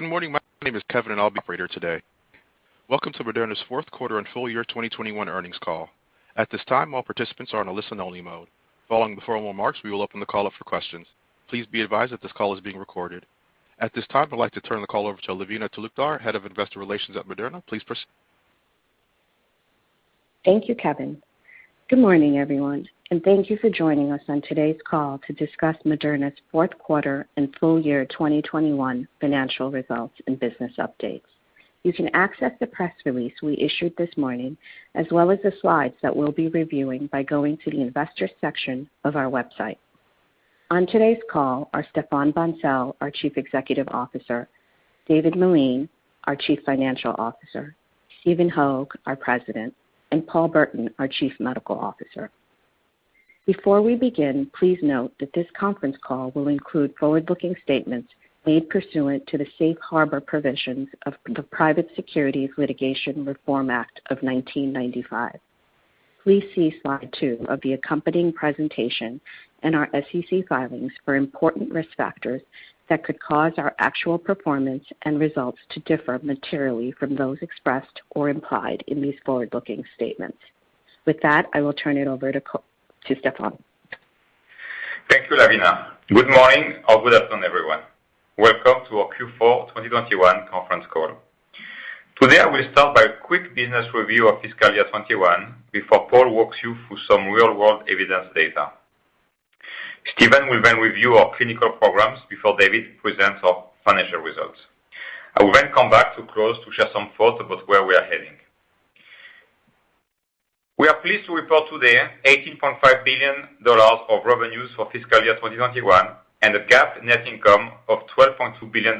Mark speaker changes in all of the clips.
Speaker 1: Good morning. My name is Kevin, and I'll be operator today. Welcome to Moderna's fourth quarter and full year 2021 earnings call. At this time, all participants are on a listen-only mode. Following the formal remarks, we will open the call up for questions. Please be advised that this call is being recorded. At this time, I'd like to turn the call over to Lavina Talukdar, Head of Investor Relations at Moderna. Please proceed.
Speaker 2: Thank you, Kevin. Good morning, everyone, and thank you for joining us on today's call to discuss Moderna's fourth quarter and full year 2021 financial results and business updates. You can access the press release we issued this morning, as well as the slides that we'll be reviewing by going to the investor section of our website. On today's call are Stéphane Bancel, our Chief Executive Officer, David Meline, our Chief Financial Officer, Stephen Hoge, our President, and Paul Burton, our Chief Medical Officer. Before we begin, please note that this conference call will include forward-looking statements made pursuant to the safe harbor provisions of the Private Securities Litigation Reform Act of 1995. Please see slide two of the accompanying presentation in our SEC filings for important risk factors that could cause our actual performance and results to differ materially from those expressed or implied in these forward-looking statements. With that, I will turn it over to Stéphane.
Speaker 3: Thank you, Lavina. Good morning or good afternoon, everyone. Welcome to our Q4 2021 conference call. Today, I will start by a quick business review of fiscal year 2021 before Paul walks you through some real-world evidence data. Stephen will then review our clinical programs before David presents our financial results. I will then come back to close to share some thoughts about where we are heading. We are pleased to report today $18.5 billion of revenues for fiscal year 2021, and a GAAP net income of $12.2 billion,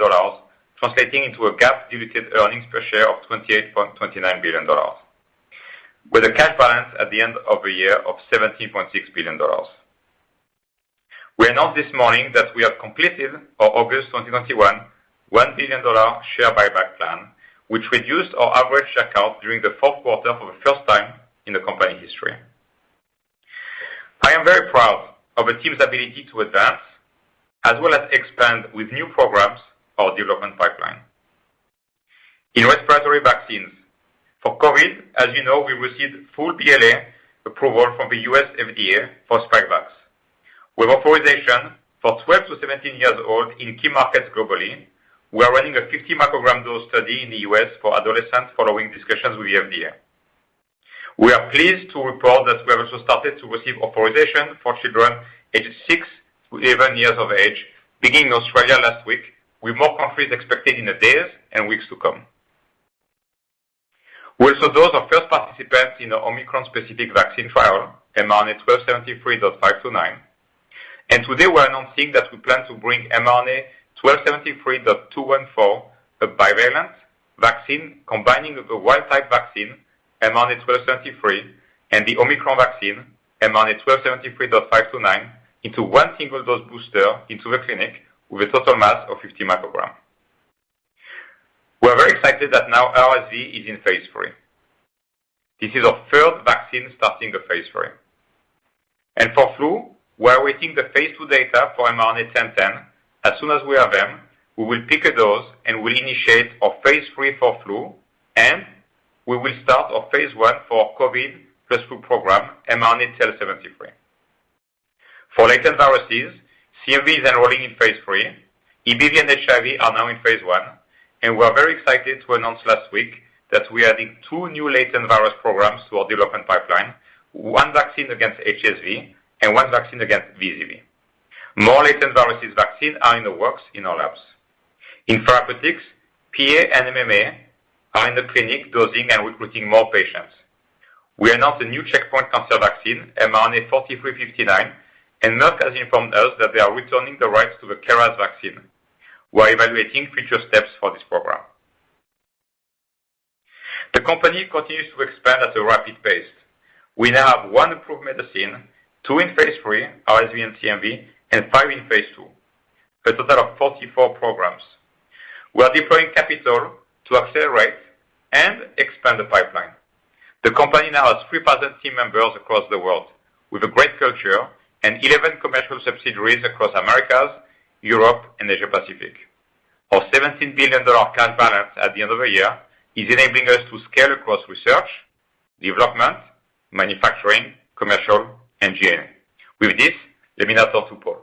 Speaker 3: translating into a GAAP diluted earnings per share of $28.29. With a cash balance at the end of the year of $17.6 billion. We announced this morning that we have completed our August 2021 $1 billion share buyback plan, which reduced our average share count during the fourth quarter for the first time in the company history. I am very proud of the team's ability to advance as well as expand with new programs, our development pipeline. In respiratory vaccines for COVID, as you know, we received full BLA approval from the U.S. FDA for Spikevax. With authorization for 12-17 years old in key markets globally, we are running a 50 microgram dose study in the U.S. for adolescents following discussions with the FDA. We are pleased to report that we have also started to receive authorization for children aged six to 11 years of age, beginning in Australia last week, with more countries expected in the days and weeks to come. We also dosed our first participants in the Omicron-specific vaccine trial, mRNA-1273.529. Today we're announcing that we plan to bring mRNA-1273.214, a bivalent vaccine combining the wild-type vaccine mRNA-1273 and the Omicron vaccine, mRNA-1273.529 into one single dose booster into the clinic with a total mass of 50 micrograms. We are very excited that now RSV is in phase III. This is our third vaccine starting the phase III. For flu, we're waiting the phase II data for mRNA-1010. As soon as we have them, we will pick a dose and we'll initiate our phase III for flu, and we will start our phase I for COVID plus flu program, mRNA-1273. For latent viruses, CMV is enrolling in phase III. EBV and HIV are now in phase I, and we are very excited to announce last week that we are adding two new latent virus programs to our development pipeline, one vaccine against HSV and one vaccine against VZV. More latent viruses vaccine are in the works in our labs. In therapeutics, PA and MMA are in the clinic dosing and recruiting more patients. We announced a new checkpoint cancer vaccine, mRNA-4359, and Merck has informed us that they are returning the rights to the KRAS vaccine. We are evaluating future steps for this program. The company continues to expand at a rapid pace. We now have one approved medicine, two in phase III, RSV and CMV, and five in phase II, a total of 44 programs. We are deploying capital to accelerate and expand the pipeline. The company now has 3,000 team members across the world with a great culture and 11 commercial subsidiaries across Americas, Europe and Asia Pacific. Our $17 billion current balance at the end of the year is enabling us to scale across research, development, manufacturing, commercial, and G&A. With this, Lavina, turn to Paul.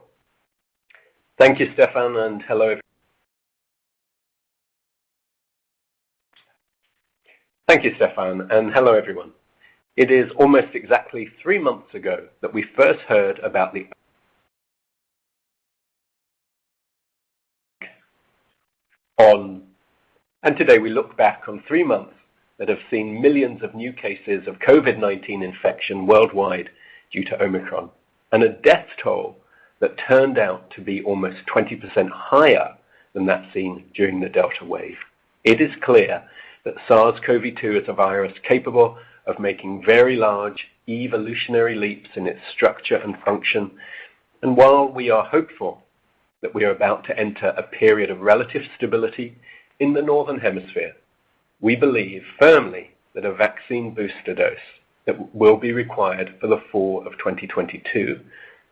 Speaker 4: Thank you, Stéphane, and hello, everyone. It is almost exactly three months ago that we first heard about the Omicron. Today we look back on three months that have seen millions of new cases of COVID-19 infection worldwide due to Omicron, and a death toll that turned out to be almost 20% higher than that seen during the Delta wave. It is clear that SARS-CoV-2 is a virus capable of making very large evolutionary leaps in its structure and function. While we are hopeful that we are about to enter a period of relative stability in the Northern Hemisphere. We believe firmly that a vaccine booster dose that will be required for the fall of 2022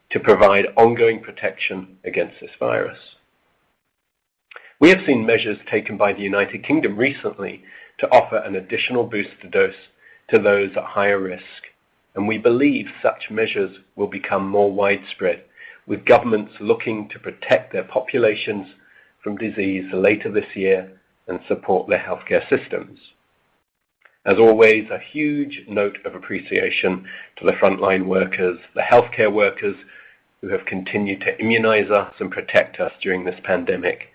Speaker 4: to provide ongoing protection against this virus. We have seen measures taken by the United Kingdom recently to offer an additional booster dose to those at higher risk, and we believe such measures will become more widespread, with governments looking to protect their populations from disease later this year and support their healthcare systems. As always, a huge note of appreciation to the frontline workers, the healthcare workers who have continued to immunize us and protect us during this pandemic.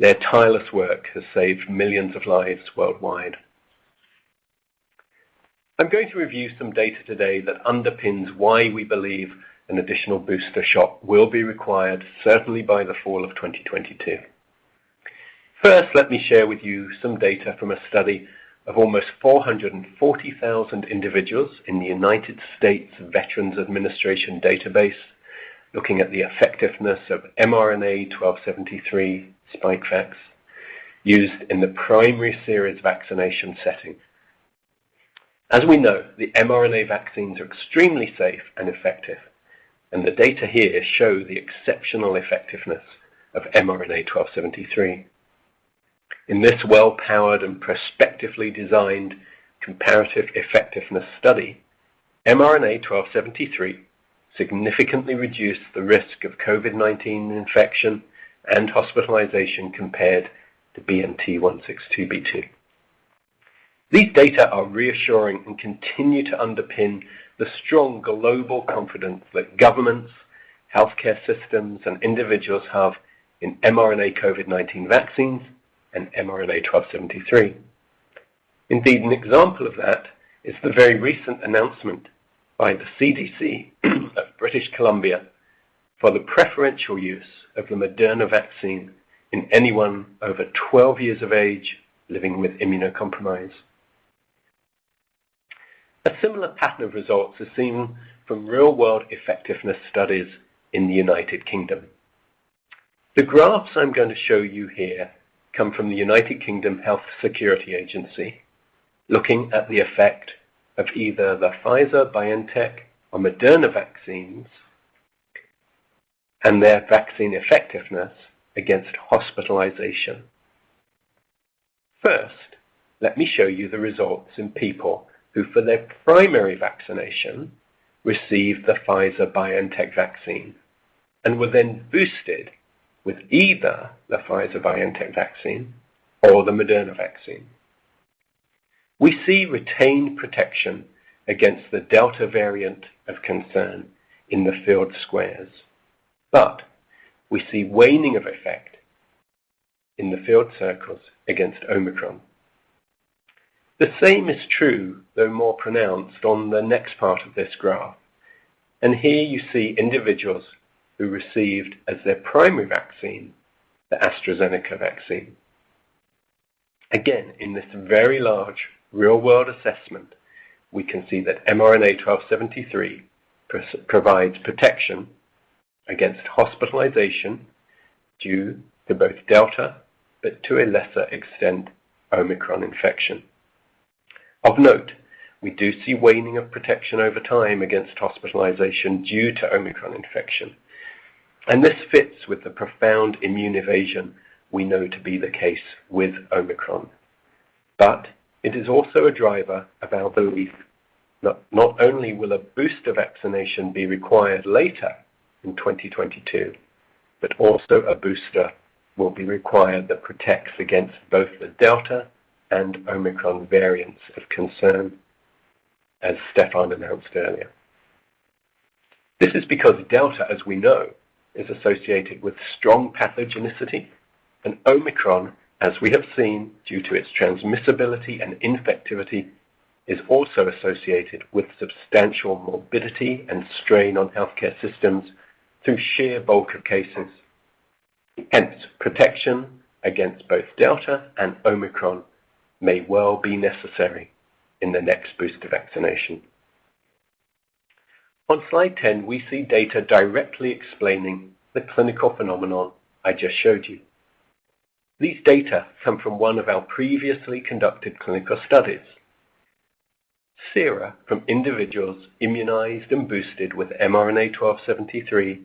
Speaker 4: Their tireless work has saved millions of lives worldwide. I'm going to review some data today that underpins why we believe an additional booster shot will be required, certainly by the fall of 2022. First, let me share with you some data from a study of almost 440,000 individuals in the United States Department of Veterans Affairs database, looking at the effectiveness of mRNA-1273 Spikevax used in the primary series vaccination setting. As we know, the mRNA vaccines are extremely safe and effective, and the data here show the exceptional effectiveness of mRNA-1273. In this well-powered and prospectively designed comparative effectiveness study, mRNA-1273 significantly reduced the risk of COVID-19 infection and hospitalization compared to BNT162b2. These data are reassuring and continue to underpin the strong global confidence that governments, healthcare systems, and individuals have in mRNA COVID-19 vaccines and mRNA-1273. Indeed, an example of that is the very recent announcement by the CDC at British Columbia for the preferential use of the Moderna vaccine in anyone over 12 years of age living with immunocompromise. A similar pattern of results is seen from real-world effectiveness studies in the United Kingdom. The graphs I'm going to show you here come from the United Kingdom Health Security Agency looking at the effect of either the Pfizer-BioNTech or Moderna vaccines and their vaccine effectiveness against hospitalization. First, let me show you the results in people who, for their primary vaccination, received the Pfizer-BioNTech vaccine and were then boosted with either the Pfizer-BioNTech vaccine or the Moderna vaccine. We see retained protection against the Delta variant of concern in the field squares, but we see waning of effect in the field circles against Omicron. The same is true, though more pronounced on the next part of this graph. Here you see individuals who received as their primary vaccine, the AstraZeneca vaccine. Again, in this very large real-world assessment, we can see that mRNA-1273 provides protection against hospitalization due to both Delta, but to a lesser extent, Omicron infection. Of note, we do see waning of protection over time against hospitalization due to Omicron infection, and this fits with the profound immune evasion we know to be the case with Omicron. It is also a driver of our belief that not only will a booster vaccination be required later in 2022, but also a booster will be required that protects against both the Delta and Omicron variants of concern, as Stéphane announced earlier. This is because Delta, as we know, is associated with strong pathogenicity, and Omicron, as we have seen due to its transmissibility and infectivity, is also associated with substantial morbidity and strain on healthcare systems through sheer bulk of cases. Hence, protection against both Delta and Omicron may well be necessary in the next booster vaccination. On slide 10, we see data directly explaining the clinical phenomenon I just showed you. These data come from one of our previously conducted clinical studies. Sera from individuals immunized and boosted with mRNA-1273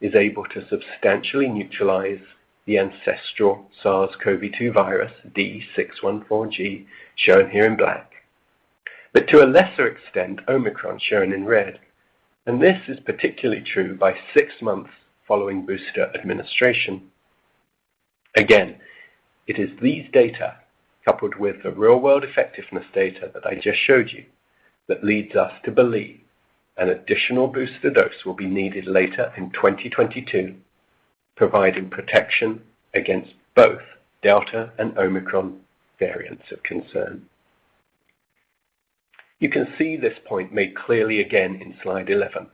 Speaker 4: is able to substantially neutralize the ancestral SARS-CoV-2 virus D614G, shown here in black, but to a lesser extent, Omicron shown in red, and this is particularly true by six months following booster administration. It is these data, coupled with the real-world effectiveness data that I just showed you, that leads us to believe an additional booster dose will be needed later in 2022, providing protection against both Delta and Omicron variants of concern. You can see this point made clearly again in slide 11,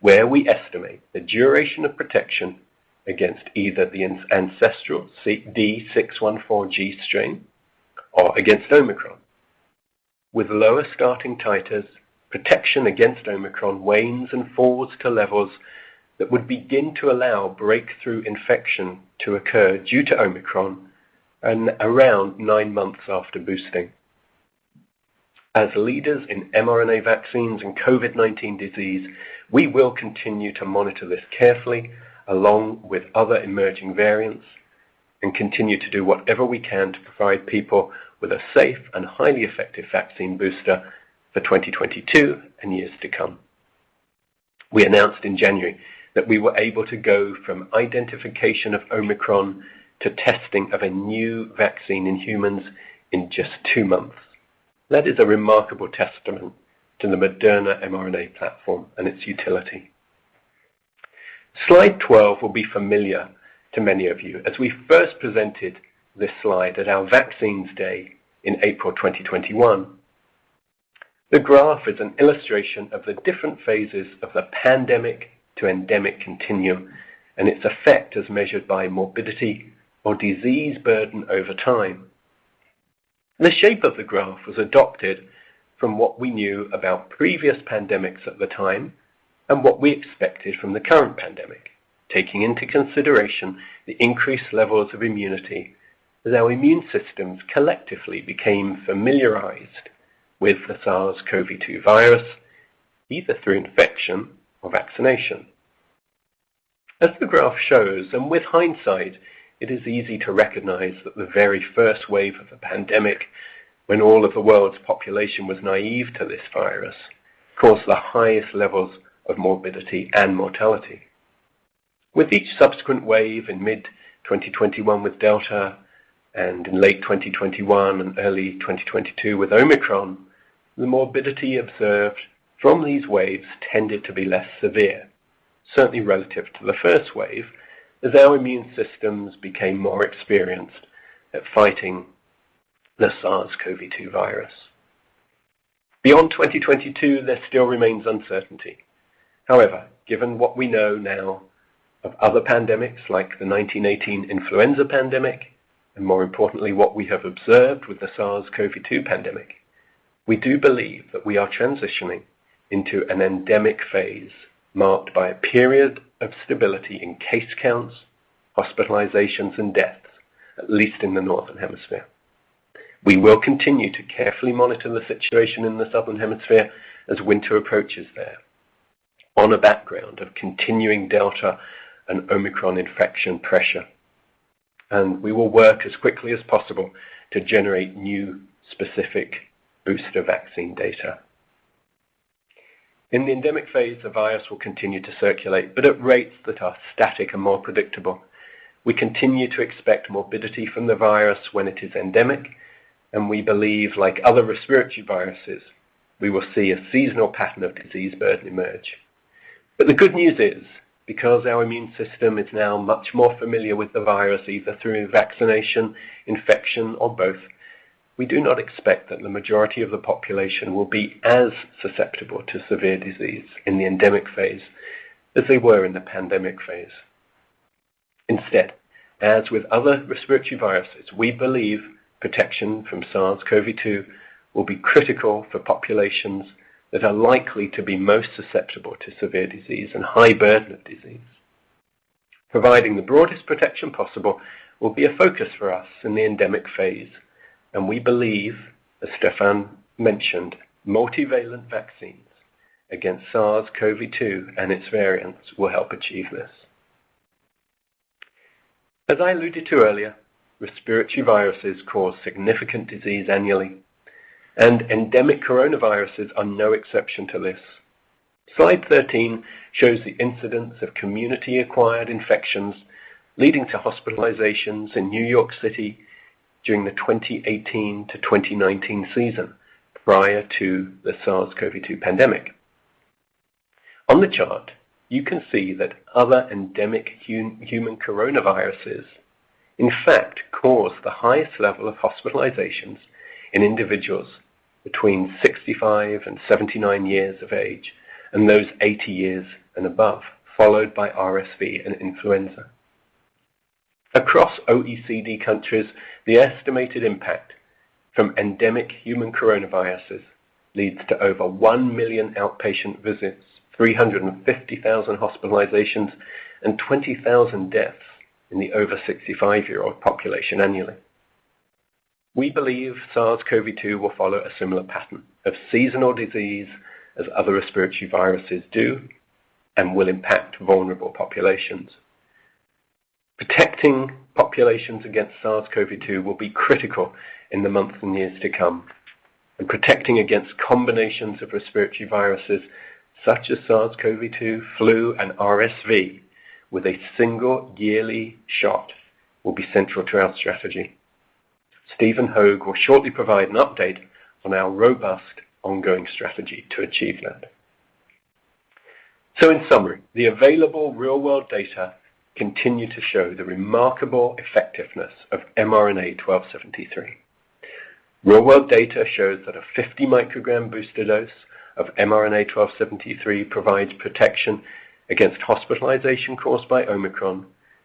Speaker 4: where we estimate the duration of protection against either the ancestral D614G strain or against Omicron. With lower starting titers, protection against Omicron wanes and forwards to levels that would begin to allow breakthrough infection to occur due to Omicron and around nine months after boosting. As leaders in mRNA vaccines and COVID-19 disease, we will continue to monitor this carefully, along with other emerging variants, and continue to do whatever we can to provide people with a safe and highly effective vaccine booster for 2022 and years to come. We announced in January that we were able to go from identification of Omicron to testing of a new vaccine in humans in just two months. That is a remarkable testament to the Moderna mRNA platform and its utility. Slide 12 will be familiar to many of you, as we first presented this slide at our Vaccines Day in April 2021. The graph is an illustration of the different phases of the pandemic to endemic continuum and its effect as measured by morbidity or disease burden over time. The shape of the graph was adopted from what we knew about previous pandemics at the time and what we expected from the current pandemic, taking into consideration the increased levels of immunity as our immune systems collectively became familiarized with the SARS-CoV-2 virus, either through infection or vaccination. As the graph shows, and with hindsight, it is easy to recognize that the very first wave of the pandemic when all of the world's population was naive to this virus, caused the highest levels of morbidity and mortality. With each subsequent wave in mid-2021 with Delta and in late 2021 and early 2022 with Omicron, the morbidity observed from these waves tended to be less severe, certainly relative to the first wave, as our immune systems became more experienced at fighting the SARS-CoV-2 virus. Beyond 2022, there still remains uncertainty. However, given what we know now of other pandemics like the 1918 influenza pandemic, and more importantly, what we have observed with the SARS-CoV-2 pandemic, we do believe that we are transitioning into an endemic phase marked by a period of stability in case counts, hospitalizations, and deaths, at least in the Northern Hemisphere. We will continue to carefully monitor the situation in the Southern Hemisphere as winter approaches there on a background of continuing Delta and Omicron infection pressure. We will work as quickly as possible to generate new specific booster vaccine data. In the endemic phase, the virus will continue to circulate, but at rates that are static and more predictable. We continue to expect morbidity from the virus when it is endemic, and we believe, like other respiratory viruses, we will see a seasonal pattern of disease burden emerge. The good news is, because our immune system is now much more familiar with the virus, either through vaccination, infection, or both, we do not expect that the majority of the population will be as susceptible to severe disease in the endemic phase as they were in the pandemic phase. Instead, as with other respiratory viruses, we believe protection from SARS-CoV-2 will be critical for populations that are likely to be most susceptible to severe disease and high burden of disease. Providing the broadest protection possible will be a focus for us in the endemic phase, and we believe, as Stéphane mentioned, multivalent vaccines against SARS-CoV-2 and its variants will help achieve this. As I alluded to earlier, respiratory viruses cause significant disease annually, and endemic coronaviruses are no exception to this. Slide 13 shows the incidence of community-acquired infections leading to hospitalizations in New York City during the 2018-2019 season, prior to the SARS-CoV-2 pandemic. On the chart, you can see that other endemic human coronaviruses, in fact, cause the highest level of hospitalizations in individuals between 65 and 79 years of age and those 80 years and above, followed by RSV and influenza. Across OECD countries, the estimated impact from endemic human coronaviruses leads to over 1 million outpatient visits, 350,000 hospitalizations, and 20,000 deaths in the over 65-year-old population annually. We believe SARS-CoV-2 will follow a similar pattern of seasonal disease as other respiratory viruses do and will impact vulnerable populations. Protecting populations against SARS-CoV-2 will be critical in the months and years to come, and protecting against combinations of respiratory viruses such as SARS-CoV-2, flu, and RSV with a single yearly shot will be central to our strategy. Stephen Hoge will shortly provide an update on our robust ongoing strategy to achieve that. In summary, the available real world data continue to show the remarkable effectiveness of mRNA-1273. Real world data shows that a 50 microgram booster dose of mRNA-1273 provides protection against hospitalization caused by Omicron.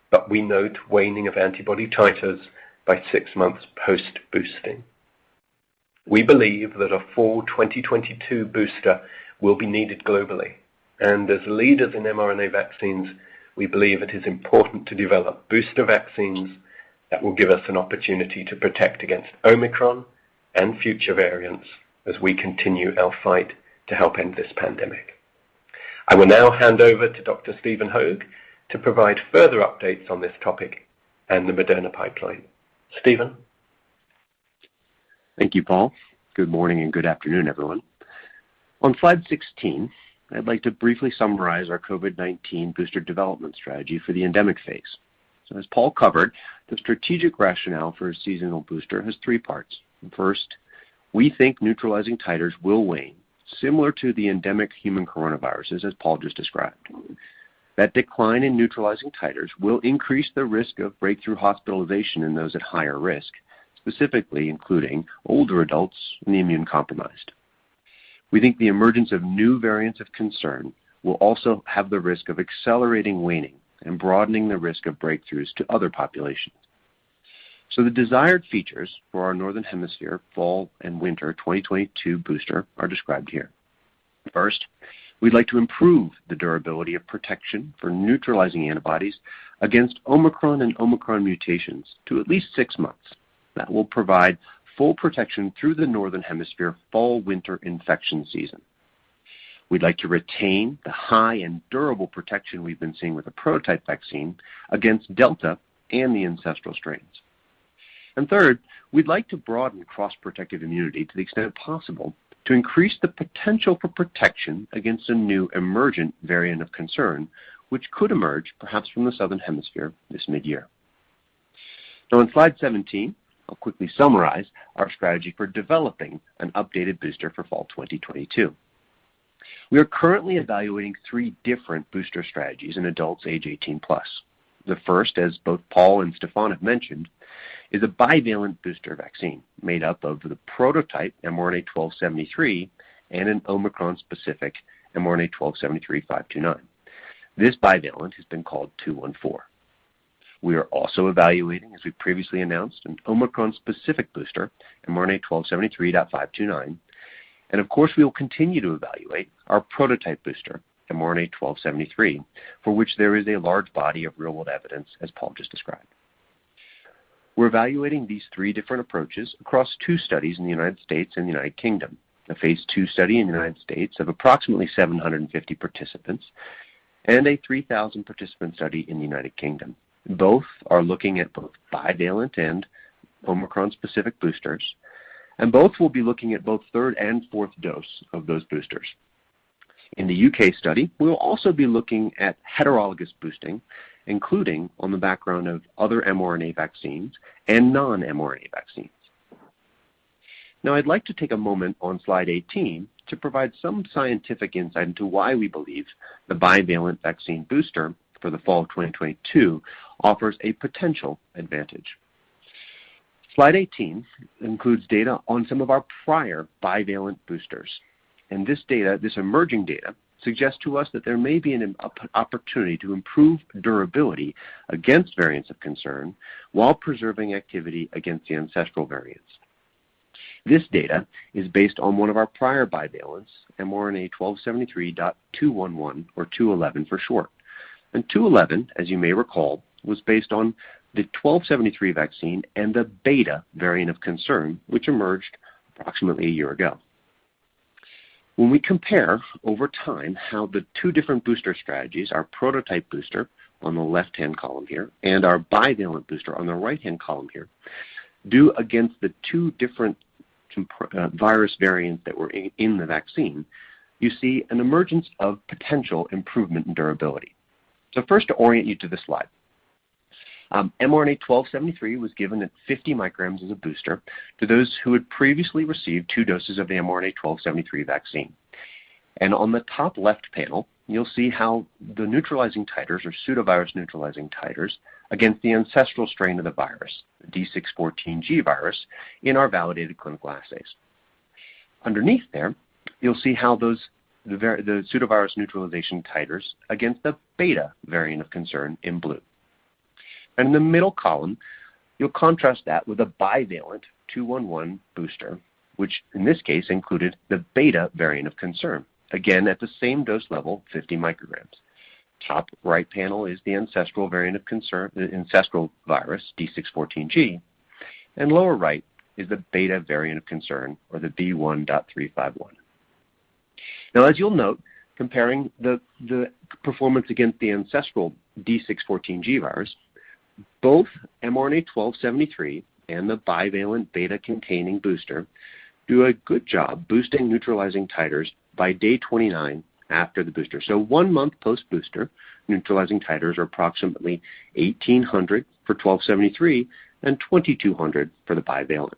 Speaker 4: But we note waning of antibody titers by six months post-boosting. We believe that a fall 2022 booster will be needed globally and as leaders in mRNA vaccines, we believe it is important to develop booster vaccines that will give us an opportunity to protect against Omicron and future variants as we continue our fight to help end this pandemic. I will now hand over to Dr. Stephen Hoge to provide further updates on this topic and the Moderna pipeline. Stephen?
Speaker 5: Thank you, Paul. Good morning and good afternoon, everyone. On slide 16, I'd like to briefly summarize our COVID-19 booster development strategy for the endemic phase. As Paul covered, the strategic rationale for a seasonal booster has three parts. First, we think neutralizing titers will wane similar to the endemic human coronaviruses, as Paul just described. That decline in neutralizing titers will increase the risk of breakthrough hospitalization in those at higher risk, specifically including older adults and the immune-compromised. We think the emergence of new variants of concern will also have the risk of accelerating waning and broadening the risk of breakthroughs to other populations. The desired features for our Northern Hemisphere fall and winter 2022 booster are described here. First, we'd like to improve the durability of protection for neutralizing antibodies against Omicron and Omicron mutations to at least six months. That will provide full protection through the Northern Hemisphere fall/winter infection season. We'd like to retain the high-end durable protection we've been seeing with the prototype vaccine against Delta and the ancestral strains. Third, we'd like to broaden cross-protective immunity to the extent possible to increase the potential for protection against a new emergent variant of concern which could emerge perhaps from the Southern Hemisphere this mid-year. On slide 17, I'll quickly summarize our strategy for developing an updated booster for fall 2022. We are currently evaluating three different booster strategies in adults age 18+. The first, as both Paul and Stéphane have mentioned, is a bivalent booster vaccine made up of the prototype mRNA-1273 and an Omicron-specific mRNA-1273.529. This bivalent has been called mRNA-1273.214. We are also evaluating, as we previously announced, an Omicron-specific booster, mRNA-1273.529, and of course we will continue to evaluate our prototype booster, mRNA-1273, for which there is a large body of real-world evidence, as Paul just described. We're evaluating these three different approaches across two studies in the United States and the United Kingdom, a phase II study in the United States of approximately 750 participants and a 3,000-participant study in the United Kingdom. Both are looking at both bivalent and Omicron-specific boosters, and both will be looking at both third and fourth dose of those boosters. In the U.K. study, we will also be looking at heterologous boosting, including on the background of other mRNA vaccines and non-mRNA vaccines. Now, I'd like to take a moment on slide 18 to provide some scientific insight into why we believe the bivalent vaccine booster for the fall of 2022 offers a potential advantage. Slide 18 includes data on some of our prior bivalent boosters. This data, this emerging data suggests to us that there may be an opportunity to improve durability against variants of concern while preserving activity against the ancestral variants. This data is based on one of our prior bivalents, mRNA-1273.211 or 211 for short. 211, as you may recall, was based on the mRNA-1273 vaccine and the Beta variant of concern which emerged approximately a year ago. When we compare over time how the two different booster strategies, our prototype booster on the left-hand column here and our bivalent booster on the right-hand column here, do against the two different virus variants that were in the vaccine, you see an emergence of potential improvement in durability. First, to orient you to this slide, mRNA-1273 was given at 50 micrograms as a booster to those who had previously received two doses of the mRNA-1273 vaccine. On the top left panel, you'll see how the neutralizing titers or pseudovirus-neutralizing titers against the ancestral strain of the virus, D614G virus, in our validated clinical assays. Underneath there, you'll see how the pseudovirus neutralization titers against the Beta variant of concern in blue. In the middle column, you'll contrast that with a bivalent two one one booster, which in this case included the Beta variant of concern, again at the same dose level, 50 micrograms. Top right panel is the ancestral variant of concern, the ancestral virus D614G, and lower right is the Beta variant of concern or the B1.351. Now, as you'll note, comparing the performance against the ancestral D614G virus, both mRNA-1273 and the bivalent Beta-containing booster do a good job boosting neutralizing titers by day 29 after the booster. One month post-booster neutralizing titers are approximately 1,800 for 1273 and 2,200 for the bivalent.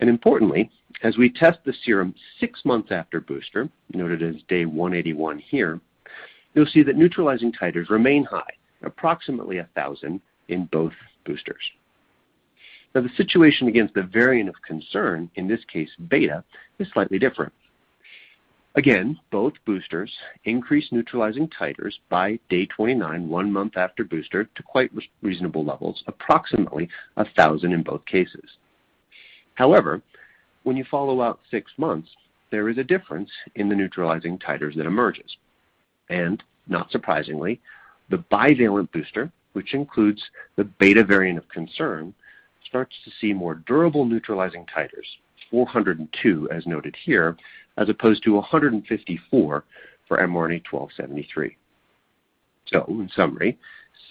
Speaker 5: Importantly, as we test the serum six months after booster, noted as day 181 here, you'll see that neutralizing titers remain high at approximately 1,000 in both boosters. Now, the situation against the variant of concern, in this case Beta, is slightly different. Again, both boosters increase neutralizing titers by day 29, one month after booster to quite reasonable levels, approximately 1,000 in both cases. However, when you follow out six months, there is a difference in the neutralizing titers that emerges. Not surprisingly, the bivalent booster, which includes the Beta variant of concern, starts to see more durable neutralizing titers, 402, as noted here, as opposed to 154 for mRNA-1273. In summary,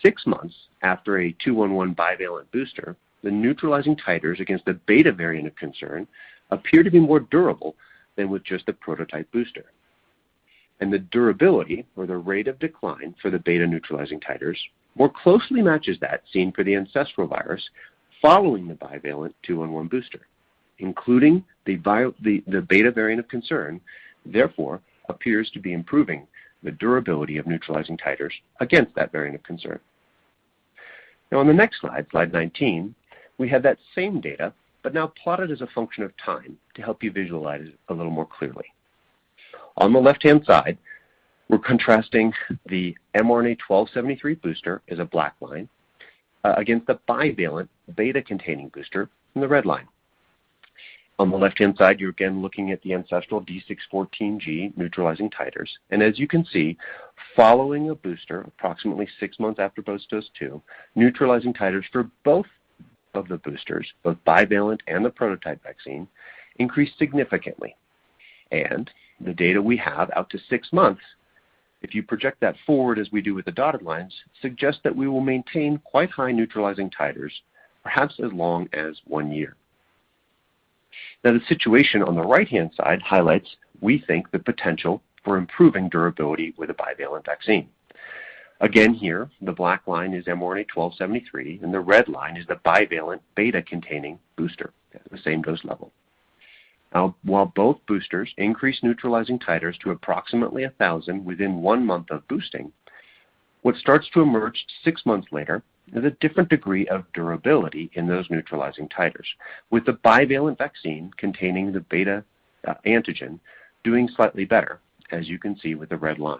Speaker 5: six months after a mRNA-1273.211 bivalent booster, the neutralizing titers against the Beta variant of concern appear to be more durable than with just the prototype booster. The durability or the rate of decline for the beta neutralizing titers more closely matches that seen for the ancestral virus following the bivalent mRNA-1273.211 booster, including the beta variant of concern, therefore appears to be improving the durability of neutralizing titers against that variant of concern. Now on the next slide 19, we have that same data but now plotted as a function of time to help you visualize it a little more clearly. On the left-hand side, we're contrasting the mRNA-1273 booster as a black line against the bivalent beta-containing booster in the red line. On the left-hand side, you're again looking at the ancestral D614G neutralizing titers. As you can see, following a booster approximately six months after dose two, neutralizing titers for both of the boosters, both bivalent and the prototype vaccine, increased significantly. The data we have out to six months, if you project that forward as we do with the dotted lines, suggests that we will maintain quite high neutralizing titers perhaps as long as one year. Now the situation on the right-hand side highlights, we think, the potential for improving durability with a bivalent vaccine. Again here, the black line is mRNA-1273, and the red line is the bivalent Beta-containing booster at the same dose level. Now while both boosters increase neutralizing titers to approximately 1,000 within one month of boosting, what starts to emerge six months later is a different degree of durability in those neutralizing titers, with the bivalent vaccine containing the Beta antigen doing slightly better, as you can see with the red line.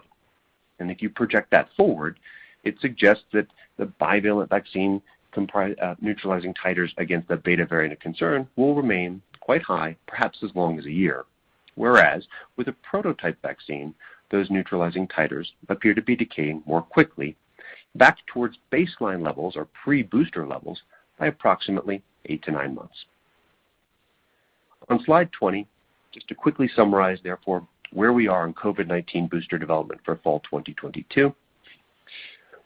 Speaker 5: If you project that forward, it suggests that the bivalent vaccine comprise neutralizing titers against the Beta variant of concern will remain quite high perhaps as long as a year. Whereas with a prototype vaccine, those neutralizing titers appear to be decaying more quickly back towards baseline levels or pre-booster levels by approximately eight-nine months. On slide 20, just to quickly summarize therefore where we are in COVID-19 booster development for fall 2022,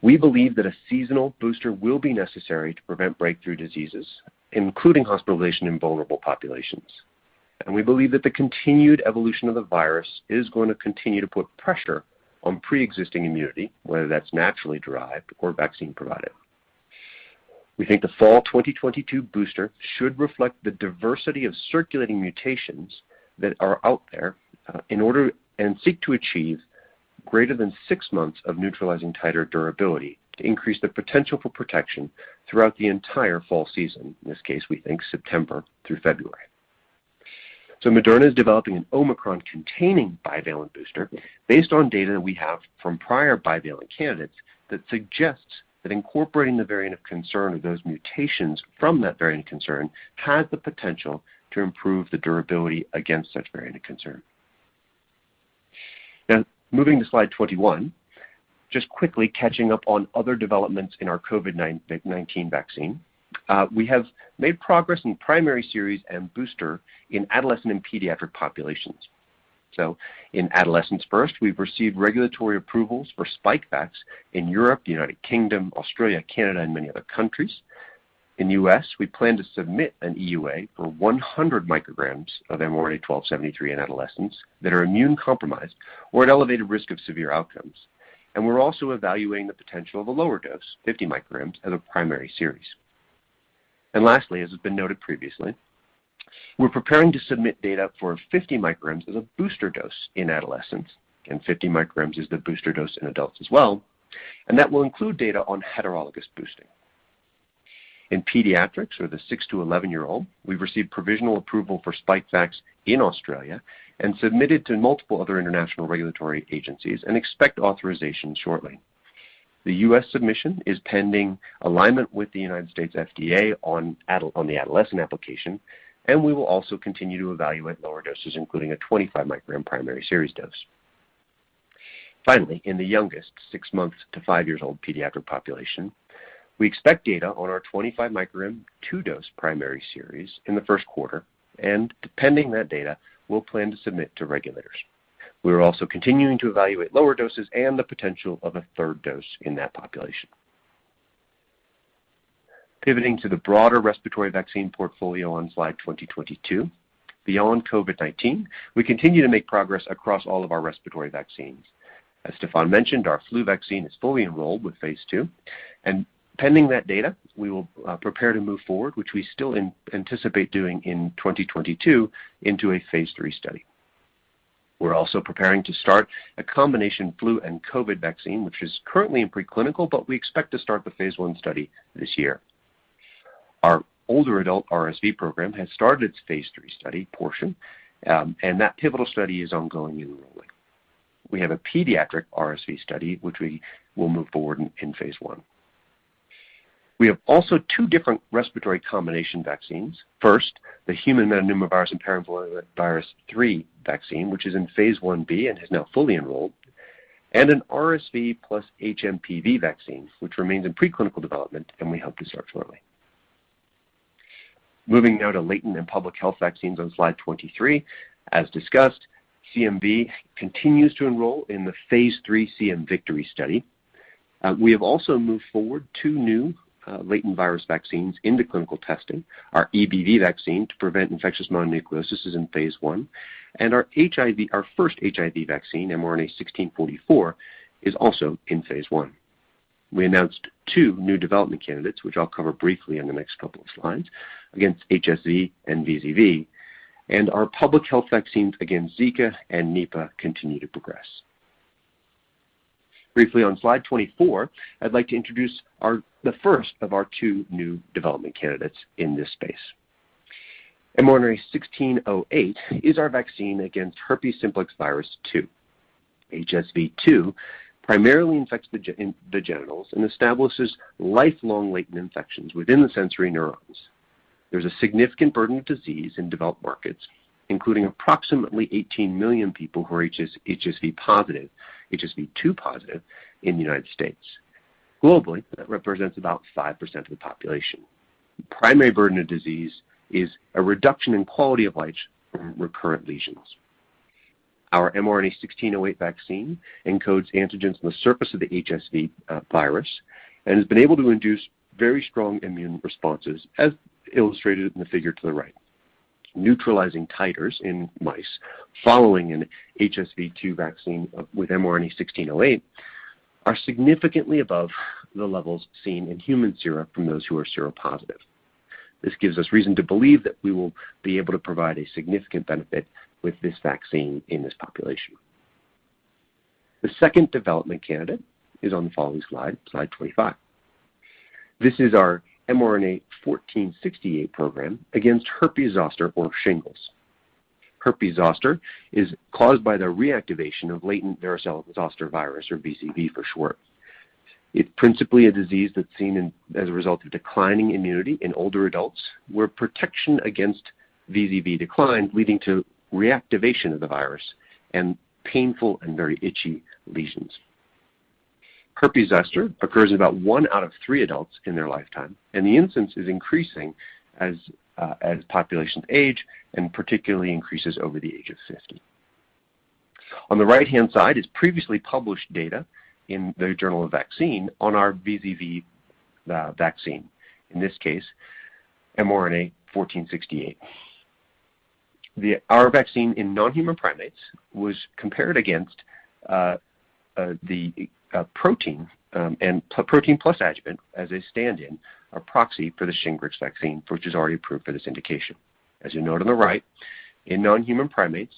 Speaker 5: we believe that a seasonal booster will be necessary to prevent breakthrough diseases, including hospitalization in vulnerable populations. We believe that the continued evolution of the virus is going to continue to put pressure on pre-existing immunity, whether that's naturally derived or vaccine provided. We think the fall 2022 booster should reflect the diversity of circulating mutations that are out there, in order and seek to achieve greater than six months of neutralizing titer durability to increase the potential for protection throughout the entire fall season, in this case, we think September through February. Moderna is developing an Omicron-containing bivalent booster based on data that we have from prior bivalent candidates that suggests that incorporating the variant of concern of those mutations from that variant of concern has the potential to improve the durability against such variant of concern. Now moving to slide 21, just quickly catching up on other developments in our COVID-19 vaccine. We have made progress in primary series and booster in adolescent and pediatric populations. In adolescents first, we've received regulatory approvals for Spikevax in Europe, United Kingdom, Australia, Canada and many other countries. In the U.S., we plan to submit an EUA for 100 micrograms of mRNA-1273 in adolescents that are immune compromised or at elevated risk of severe outcomes. We're also evaluating the potential of a lower dose, 50 micrograms as a primary series. Lastly, as has been noted previously, we're preparing to submit data for 50 micrograms as a booster dose in adolescents, and 50 micrograms is the booster dose in adults as well. That will include data on heterologous boosting. In pediatrics or the six- to 11-year-old, we've received provisional approval for Spikevax in Australia and submitted to multiple other international regulatory agencies and expect authorization shortly. The U.S. submission is pending alignment with the United States FDA on the adolescent application, and we will also continue to evaluate lower doses, including a 25 microgram primary series dose. Finally, in the youngest six months to five years old pediatric population, we expect data on our 25 microgram two-dose primary series in the first quarter, and depending that data, we'll plan to submit to regulators. We're also continuing to evaluate lower doses and the potential of a third dose in that population. Pivoting to the broader respiratory vaccine portfolio on slide 22. Beyond COVID-19, we continue to make progress across all of our respiratory vaccines. As Stéphane mentioned, our flu vaccine is fully enrolled with phase II, and pending that data, we will prepare to move forward, which we still anticipate doing in 2022 into a phase III study. We're also preparing to start a combination flu and COVID vaccine, which is currently in preclinical, but we expect to start the phase I study this year. Our older adult RSV program has started its phase III study portion, and that pivotal study is ongoing enrolling. We have a pediatric RSV study, which we will move forward in phase I. We have also two different respiratory combination vaccines. First, the human metapneumovirus and parainfluenza virus 3 vaccine, which is in phase I-B and is now fully enrolled, and an RSV plus HMPV vaccine, which remains in preclinical development, and we hope to start shortly. Moving now to latent and public health vaccines on slide 23. As discussed, CMV continues to enroll in the phase III CMVictory study. We have also moved forward two new, latent virus vaccines into clinical testing. Our EBV vaccine to prevent infectious mononucleosis is in phase I, and our HIV, our first HIV vaccine, mRNA-1644, is also in phase I. We announced two new development candidates, which I'll cover briefly in the next couple of slides, against HSV and VZV, and our public health vaccines against Zika and Nipah continue to progress. Briefly on slide 24, I'd like to introduce the first of our two new development candidates in this space. mRNA-1608 is our vaccine against herpes simplex virus 2. HSV-2 primarily infects the genitals and establishes lifelong latent infections within the sensory neurons. There's a significant burden of disease in developed markets, including approximately 18 million people who are HSV-2 positive in the United States. Globally, that represents about 5% of the population. The primary burden of disease is a reduction in quality of life from recurrent lesions. Our mRNA-1608 vaccine encodes antigens on the surface of the HSV virus and has been able to induce very strong immune responses, as illustrated in the figure to the right. Neutralizing titers in mice following an HSV-2 vaccine with mRNA-1608 are significantly above the levels seen in human sera from those who are seropositive. This gives us reason to believe that we will be able to provide a significant benefit with this vaccine in this population. The second development candidate is on the following slide 25. This is our mRNA-1468 program against herpes zoster or shingles. Herpes zoster is caused by the reactivation of latent varicella zoster virus or VZV for short. It's principally a disease that's seen in as a result of declining immunity in older adults, where protection against VZV decline, leading to reactivation of the virus and painful and very itchy lesions. Herpes zoster occurs in about one out of three adults in their lifetime, and the incidence is increasing as the population ages, and particularly increases over the age of 50. On the right-hand side is previously published data in the Journal of Vaccine on our VZV vaccine. In this case, mRNA-1468. Our vaccine in non-human primates was compared against the protein and recombinant protein plus adjuvant as a stand-in or proxy for the Shingrix vaccine, which is already approved for this indication. As you note on the right, in non-human primates,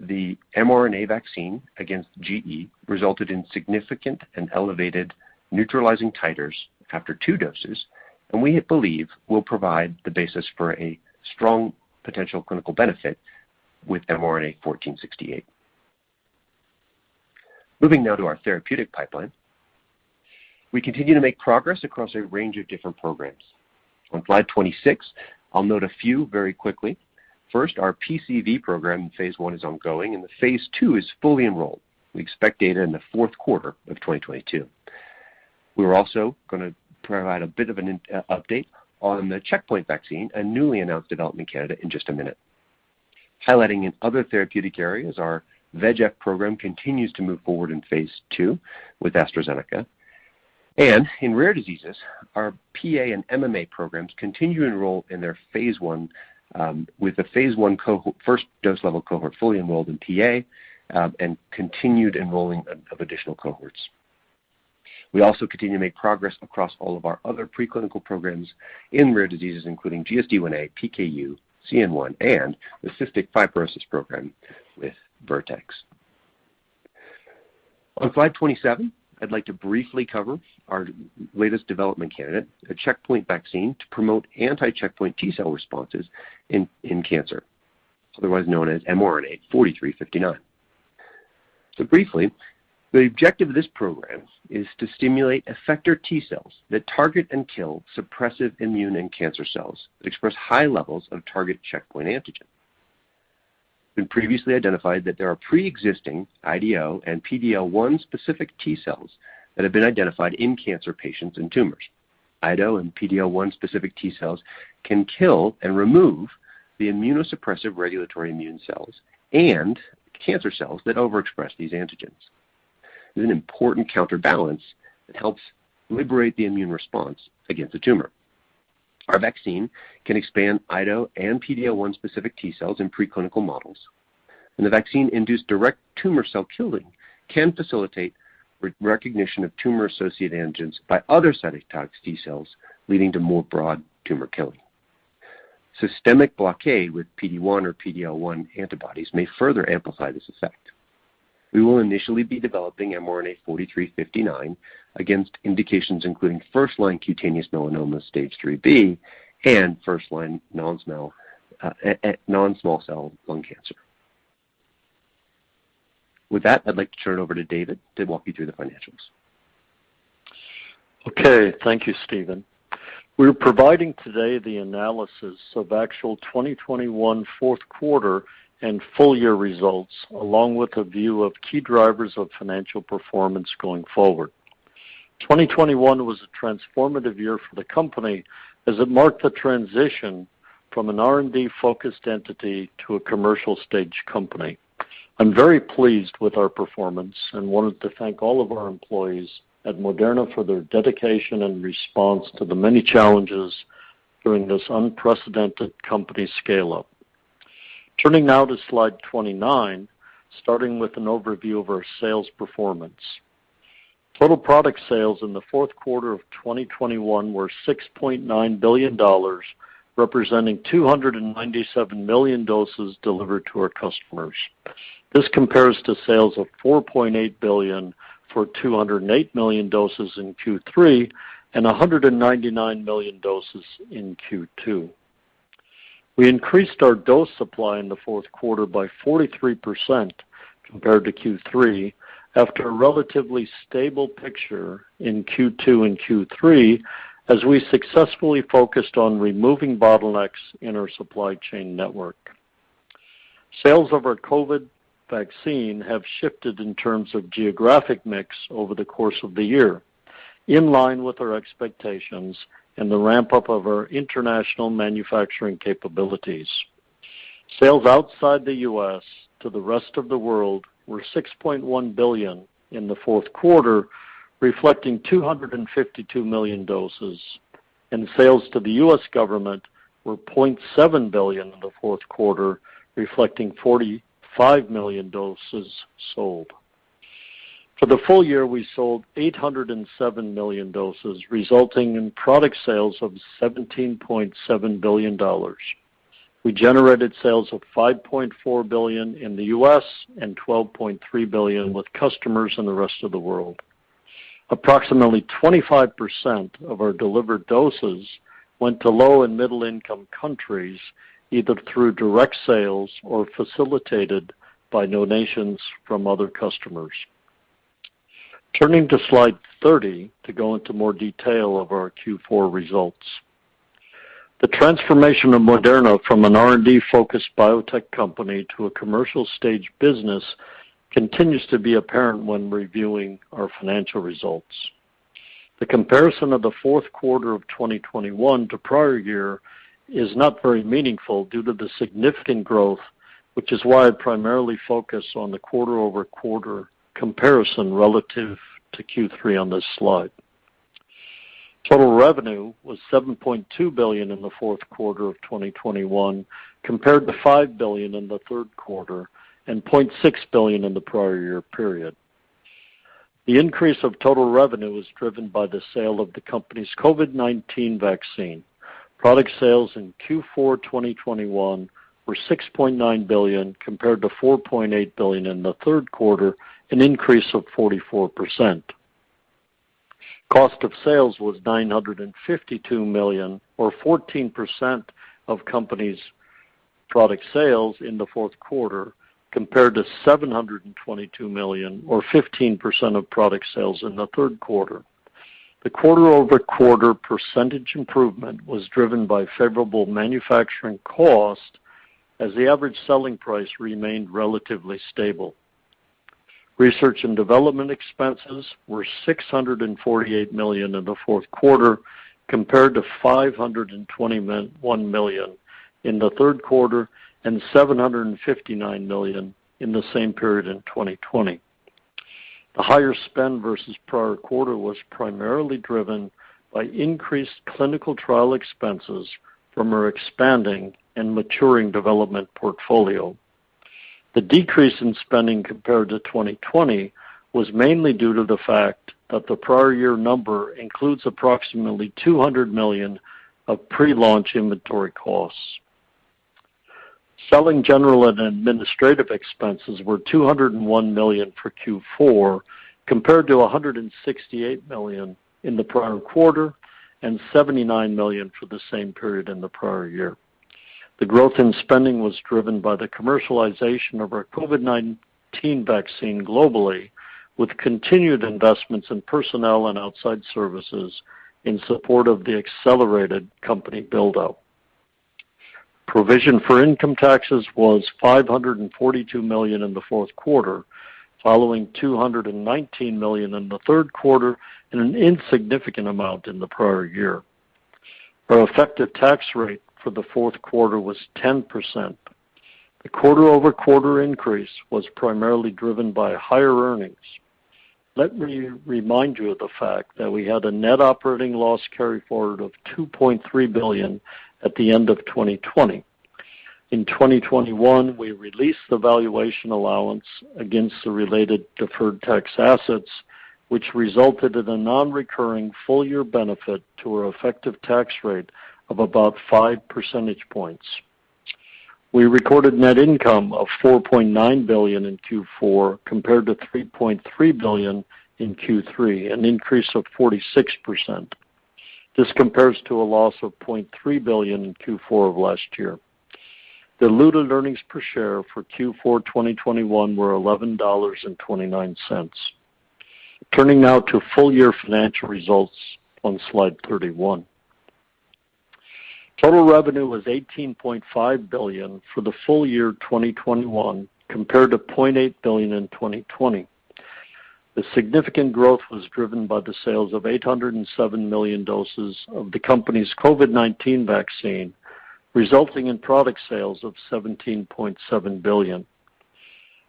Speaker 5: the mRNA vaccine against gE resulted in significant and elevated neutralizing titers after two doses, and we believe will provide the basis for a strong potential clinical benefit with mRNA-1468. Moving now to our therapeutic pipeline. We continue to make progress across a range of different programs. On slide 26, I'll note a few very quickly. First, our PCV program in phase I is ongoing, and the phase II is fully enrolled. We expect data in the fourth quarter of 2022. We're also gonna provide a bit of an update on the checkpoint vaccine, a newly announced development candidate, in just a minute. Highlighting in other therapeutic areas, our VEGF program continues to move forward in phase II with AstraZeneca. In rare diseases, our PA and MMA programs continue to enroll in their phase I, with the phase I first dose-level cohort fully enrolled in PA, and continued enrolling of additional cohorts. We also continue to make progress across all of our other preclinical programs in rare diseases, including GSD1a, PKU, CN-1, and the cystic fibrosis program with Vertex. On slide 27, I'd like to briefly cover our latest development candidate, a checkpoint vaccine to promote anti-checkpoint T-cell responses in cancer, otherwise known as mRNA-4359. Briefly, the objective of this program is to stimulate effector T-cells that target and kill suppressive immune and cancer cells that express high levels of target checkpoint antigen. We previously identified that there are pre-existing IDO and PD-L1 specific T-cells that have been identified in cancer patients and tumors. IDO and PD-L1 specific T-cells can kill and remove the immunosuppressive regulatory immune cells and cancer cells that overexpress these antigens. This is an important counterbalance that helps liberate the immune response against the tumor. Our vaccine can expand IDO and PD-L1 specific T-cells in preclinical models, and the vaccine-induced direct tumor cell killing can facilitate re-recognition of tumor-associated antigens by other cytotoxic T-cells, leading to more broad tumor killing. Systemic blockade with PD-1 or PD-L1 antibodies may further amplify this effect. We will initially be developing mRNA-4359 against indications including first-line cutaneous melanoma stage III-B and first-line non-small cell lung cancer. With that, I'd like to turn it over to David to walk you through the financials.
Speaker 6: Okay. Thank you, Stephen. We're providing today the analysis of actual 2021 fourth quarter and full year results, along with a view of key drivers of financial performance going forward. 2021 was a transformative year for the company as it marked the transition from an R&D-focused entity to a commercial stage company. I'm very pleased with our performance and wanted to thank all of our employees at Moderna for their dedication and response to the many challenges during this unprecedented company scale-up. Turning now to slide 29, starting with an overview of our sales performance. Total product sales in the fourth quarter of 2021 were $6.9 billion, representing 297 million doses delivered to our customers. This compares to sales of $4.8 billion for 208 million doses in Q3 and 199 million doses in Q2. We increased our dose supply in the fourth quarter by 43% compared to Q3 after a relatively stable picture in Q2 and Q3 as we successfully focused on removing bottlenecks in our supply chain network. Sales of our COVID vaccine have shifted in terms of geographic mix over the course of the year, in line with our expectations and the ramp-up of our international manufacturing capabilities. Sales outside the U.S. to the rest of the world were $6.1 billion in the fourth quarter, reflecting 252 million doses, and sales to the U.S. government were $0.7 billion in the fourth quarter, reflecting 45 million doses sold. For the full year, we sold 807 million doses, resulting in product sales of $17.7 billion. We generated sales of $5.4 billion in the U.S. and $12.3 billion with customers in the rest of the world. Approximately 25% of our delivered doses went to low and middle income countries, either through direct sales or facilitated by donations from other customers. Turning to slide 30 to go into more detail of our Q4 results. The transformation of Moderna from an R&D-focused biotech company to a commercial stage business continues to be apparent when reviewing our financial results. The comparison of the fourth quarter of 2021 to prior year is not very meaningful due to the significant growth, which is why I primarily focus on the quarter-over-quarter comparison relative to Q3 on this slide. Total revenue was $7.2 billion in the fourth quarter of 2021, compared to $5 billion in the third quarter and $0.6 billion in the prior year period. The increase of total revenue was driven by the sale of the company's COVID-19 vaccine. Product sales in Q4 2021 were $6.9 billion, compared to $4.8 billion in the third quarter, an increase of 44%. Cost of sales was $952 million, or 14% of the Company's product sales in the fourth quarter, compared to $722 million or 15% of product sales in the third quarter. The quarter-over-quarter percentage improvement was driven by favorable manufacturing cost as the average selling price remained relatively stable. Research and development expenses were $648 million in the fourth quarter, compared to $521 million in the third quarter and $759 million in the same period in 2020. The higher spend versus prior quarter was primarily driven by increased clinical trial expenses from our expanding and maturing development portfolio. The decrease in spending compared to 2020 was mainly due to the fact that the prior year number includes approximately $200 million of pre-launch inventory costs. Selling general and administrative expenses were $201 million for Q4, compared to $168 million in the prior quarter and $79 million for the same period in the prior year. The growth in spending was driven by the commercialization of our COVID-19 vaccine globally, with continued investments in personnel and outside services in support of the accelerated company buildup. Provision for income taxes was $542 million in the fourth quarter, following $219 million in the third quarter and an insignificant amount in the prior year. Our effective tax rate for the fourth quarter was 10%. The quarter-over-quarter increase was primarily driven by higher earnings. Let me remind you of the fact that we had a net operating loss carry forward of $2.3 billion at the end of 2020. In 2021, we released the valuation allowance against the related deferred tax assets, which resulted in a non-recurring full-year benefit to our effective tax rate of about 5 percentage points. We recorded net income of $4.9 billion in Q4 compared to $3.3 billion in Q3, an increase of 46%. This compares to a loss of $0.3 billion in Q4 of last year. Diluted earnings per share for Q4 2021 were $11.29. Turning now to full year financial results on slide 31. Total revenue was $18.5 billion for the full year 2021 compared to $0.8 billion in 2020. The significant growth was driven by the sales of 807 million doses of the company's COVID-19 vaccine, resulting in product sales of $17.7 billion.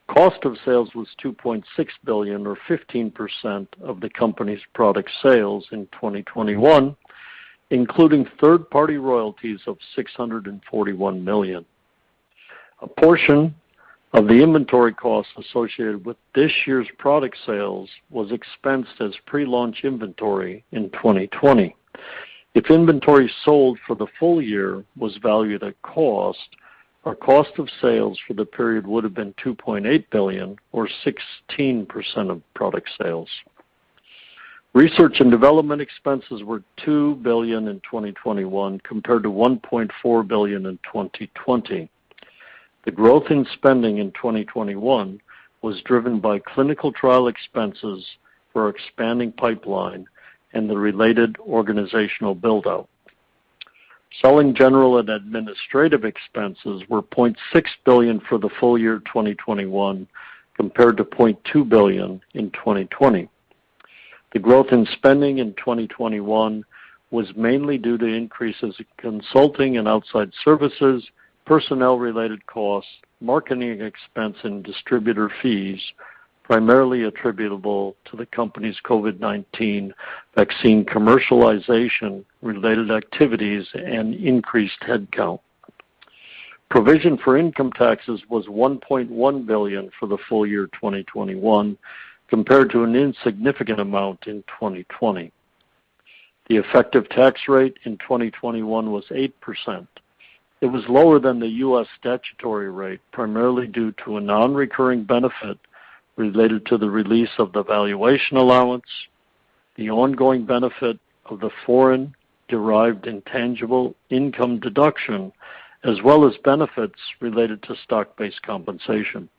Speaker 6: Cost of sales was $2.6 billion or 15% of the company's product sales in 2021, including third-party royalties of $641 million. A portion of the inventory costs associated with this year's product sales was expensed as pre-launch inventory in 2020. If inventory sold for the full year was valued at cost, our cost of sales for the period would have been $2.8 billion or 16% of product sales. Research and development expenses were $2 billion in 2021 compared to $1.4 billion in 2020. The growth in spending in 2021 was driven by clinical trial expenses for expanding pipeline and the related organizational build-out. Selling, general, and administrative expenses were $0.6 billion for the full year 2021 compared to $0.2 billion in 2020. The growth in spending in 2021 was mainly due to increases in consulting and outside services, personnel-related costs, marketing expense, and distributor fees, primarily attributable to the company's COVID-19 vaccine commercialization-related activities and increased headcount. Provision for income taxes was $1.1 billion for the full year 2021 compared to an insignificant amount in 2020. The effective tax rate in 2021 was 8%. It was lower than the U.S. statutory rate, primarily due to a non-recurring benefit related to the release of the valuation allowance, the ongoing benefit of the foreign derived intangible income deduction, as well as benefits related to stock-based compensation.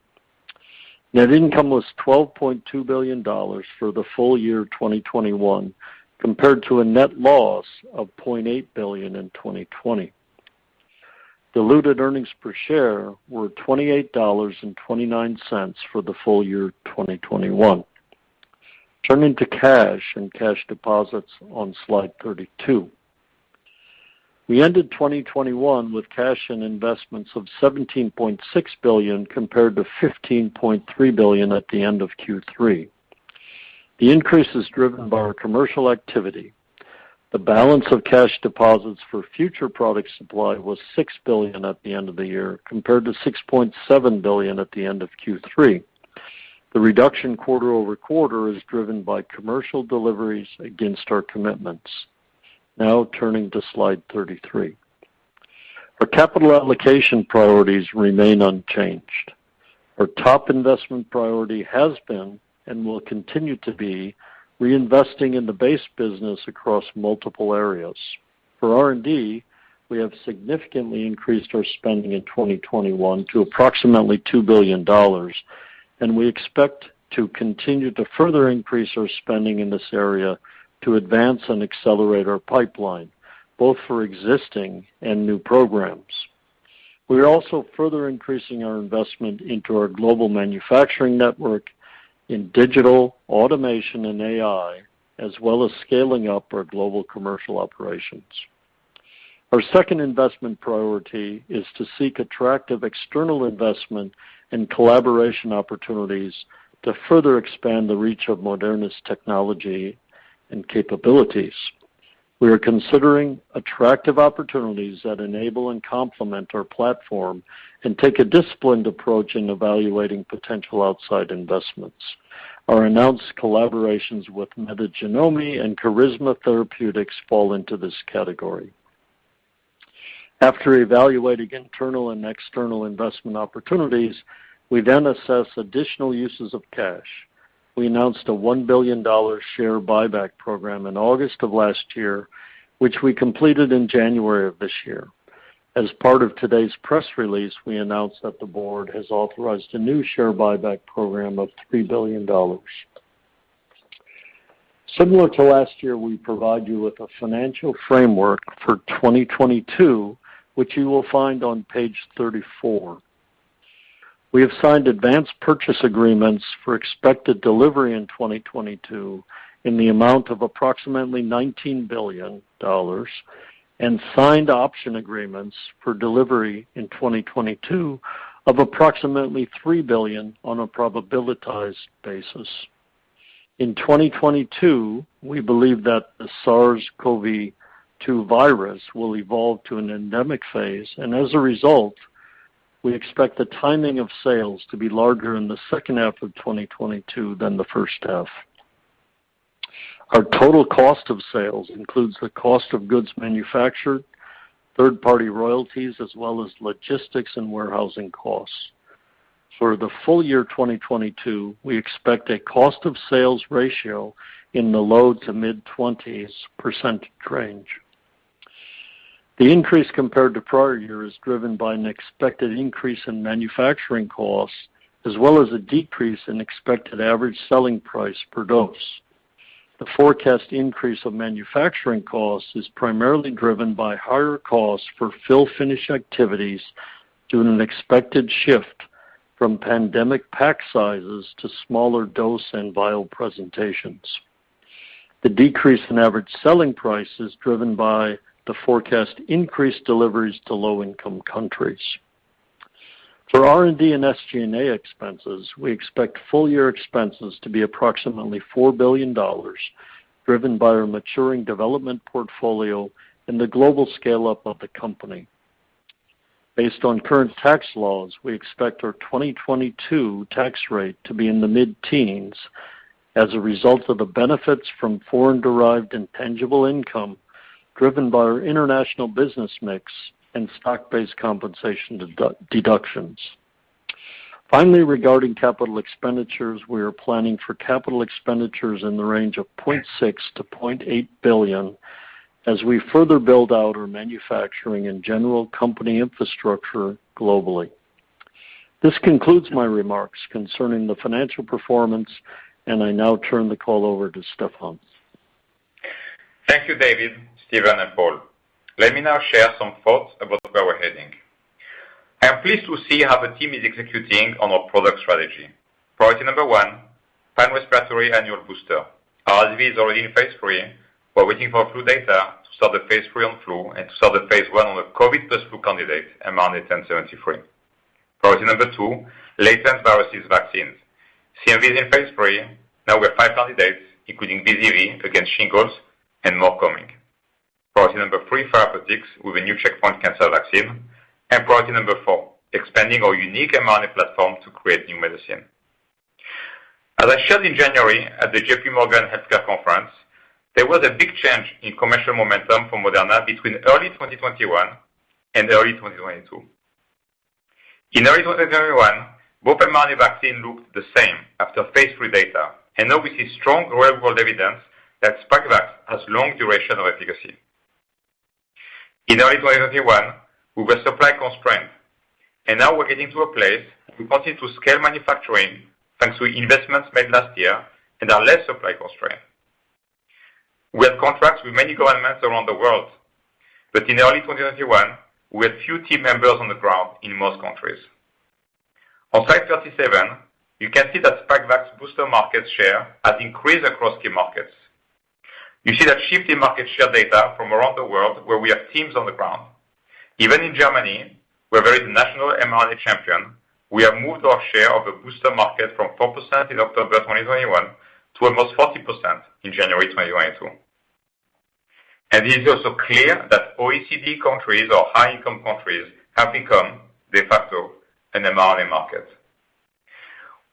Speaker 6: Net income was $12.2 billion for the full year 2021 compared to a net loss of $0.8 billion in 2020. Diluted earnings per share were $28.29 for the full year 2021. Turning to cash and cash deposits on slide 32. We ended 2021 with cash and investments of $17.6 billion compared to $15.3 billion at the end of Q3. The increase is driven by our commercial activity. The balance of cash deposits for future product supply was $6 billion at the end of the year, compared to $6.7 billion at the end of Q3. The reduction quarter-over-quarter is driven by commercial deliveries against our commitments. Now turning to slide 33. Our capital allocation priorities remain unchanged. Our top investment priority has been and will continue to be reinvesting in the base business across multiple areas. For R&D, we have significantly increased our spending in 2021 to approximately $2 billion, and we expect to continue to further increase our spending in this area to advance and accelerate our pipeline, both for existing and new programs. We are also further increasing our investment into our global manufacturing network in digital, automation, and AI, as well as scaling up our global commercial operations. Our second investment priority is to seek attractive external investment and collaboration opportunities to further expand the reach of Moderna's technology and capabilities. We are considering attractive opportunities that enable and complement our platform and take a disciplined approach in evaluating potential outside investments. Our announced collaborations with Metagenomi and Carisma Therapeutics fall into this category. After evaluating internal and external investment opportunities, we then assess additional uses of cash. We announced a $1 billion share buyback program in August of last year, which we completed in January of this year. As part of today's press release, we announced that the board has authorized a new share buyback program of $3 billion. Similar to last year, we provide you with a financial framework for 2022, which you will find on page 34. We have signed advanced purchase agreements for expected delivery in 2022 in the amount of approximately $19 billion and signed option agreements for delivery in 2022 of approximately $3 billion on a probabilitized basis. In 2022, we believe that the SARS-CoV-2 virus will evolve to an endemic phase, and as a result, we expect the timing of sales to be larger in the second half of 2022 than the first half. Our total cost of sales includes the cost of goods manufactured, third party royalties, as well as logistics and warehousing costs. For the full year 2022, we expect a cost of sales ratio in the low-to-mid 20s% range. The increase compared to prior year is driven by an expected increase in manufacturing costs, as well as a decrease in expected average selling price per dose. The forecast increase of manufacturing costs is primarily driven by higher costs for fill finish activities due to an expected shift from pandemic pack sizes to smaller dose and vial presentations. The decrease in average selling price is driven by the forecast increased deliveries to low-income countries. For R&D and SG&A expenses, we expect full-year expenses to be approximately $4 billion, driven by our maturing development portfolio and the global scale-up of the company. Based on current tax laws, we expect our 2022 tax rate to be in the mid-teens as a result of the benefits from foreign-derived intangible income driven by our international business mix and stock-based compensation deductions. Finally, regarding capital expenditures, we are planning for capital expenditures in the range of $0.6 billion-$0.8 billion as we further build out our manufacturing and general company infrastructure globally. This concludes my remarks concerning the financial performance, and I now turn the call over to Stéphane.
Speaker 3: Thank you, David, Stephen, and Paul. Let me now share some thoughts about where we're heading. I am pleased to see how the team is executing on our product strategy. Priority number one, pan-respiratory annual booster. RSV is already in phase III. We're waiting for flu data to start the phase III on flu and to start the phase I on the COVID plus flu candidate, mRNA-1073. Priority number two, latent viruses vaccines. CMV is in phase III. Now we have five candidates, including VZV, against shingles and more coming. Priority number three, therapeutics with a new checkpoint cancer vaccine. Priority number four, expanding our unique mRNA platform to create new medicine. As I shared in January at the J.P. Morgan Healthcare Conference, there was a big change in commercial momentum for Moderna between early 2021 and early 2022. In early 2021, both mRNA vaccines looked the same after phase III data, and now we see strong real-world evidence that Spikevax has long duration of efficacy. In early 2021, we were supply constrained, and now we're getting to a place we continue to scale manufacturing thanks to investments made last year and are less supply constrained. We have contracts with many governments around the world, but in early 2021, we had few team members on the ground in most countries. On slide 37, you can see that Spikevax booster market share has increased across key markets. You see that shift in market share data from around the world where we have teams on the ground. Even in Germany, where there is a national mRNA champion, we have moved our share of the booster market from 4% in October 2021 to almost 40% in January 2022. It is also clear that OECD countries or high-income countries have become de facto an mRNA market.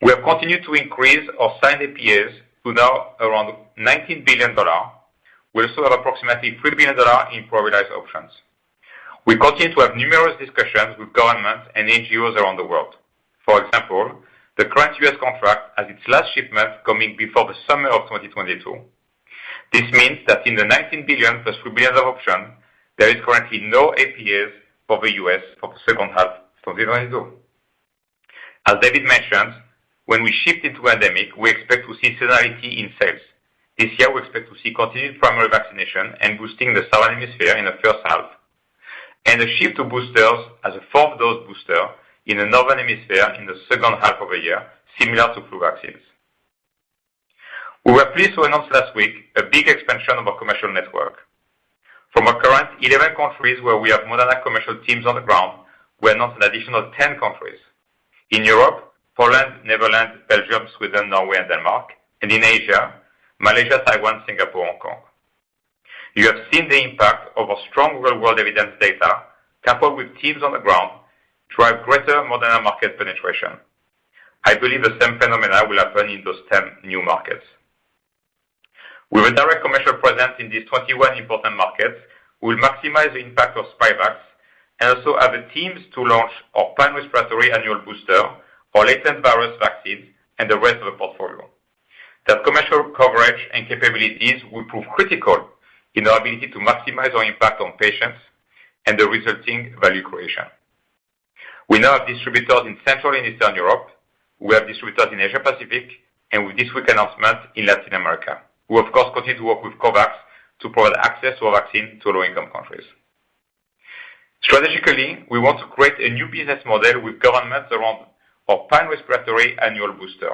Speaker 3: We have continued to increase our signed APAs to now around $19 billion. We also have approximately $3 billion in prioritized options. We continue to have numerous discussions with governments and NGOs around the world. For example, the current U.S. contract has its last shipment coming before the summer of 2022. This means that in the $19 billion plus $3 billion of option, there is currently no APAs for the U.S. for the second half 2022. As David mentioned, when we shift into endemic, we expect to see seasonality in sales. This year, we expect to see continued primary vaccination and boosting in the Southern Hemisphere in the first half, and a shift to boosters as a fourth dose booster in the Northern Hemisphere in the second half of the year, similar to flu vaccines. We were pleased to announce last week a big expansion of our commercial network. From our current 11 countries where we have Moderna commercial teams on the ground, we announced an additional 10 countries. In Europe, Poland, the Netherlands, Belgium, Sweden, Norway, and Denmark, and in Asia, Malaysia, Taiwan, Singapore, Hong Kong. You have seen the impact of our strong real-world evidence data coupled with teams on the ground drive greater Moderna market penetration. I believe the same phenomena will happen in those 10 new markets. With a direct commercial presence in these 21 important markets, we'll maximize the impact of Spikevax and also have the teams to launch our pan-respiratory annual booster, our latent virus vaccine, and the rest of the portfolio. That commercial coverage and capabilities will prove critical in our ability to maximize our impact on patients and the resulting value creation. We now have distributors in Central and Eastern Europe. We have distributors in Asia Pacific and with this week's announcement, in Latin America. We of course continue to work with COVAX to provide access to our vaccine to low-income countries. Strategically, we want to create a new business model with governments around our pan-respiratory annual booster.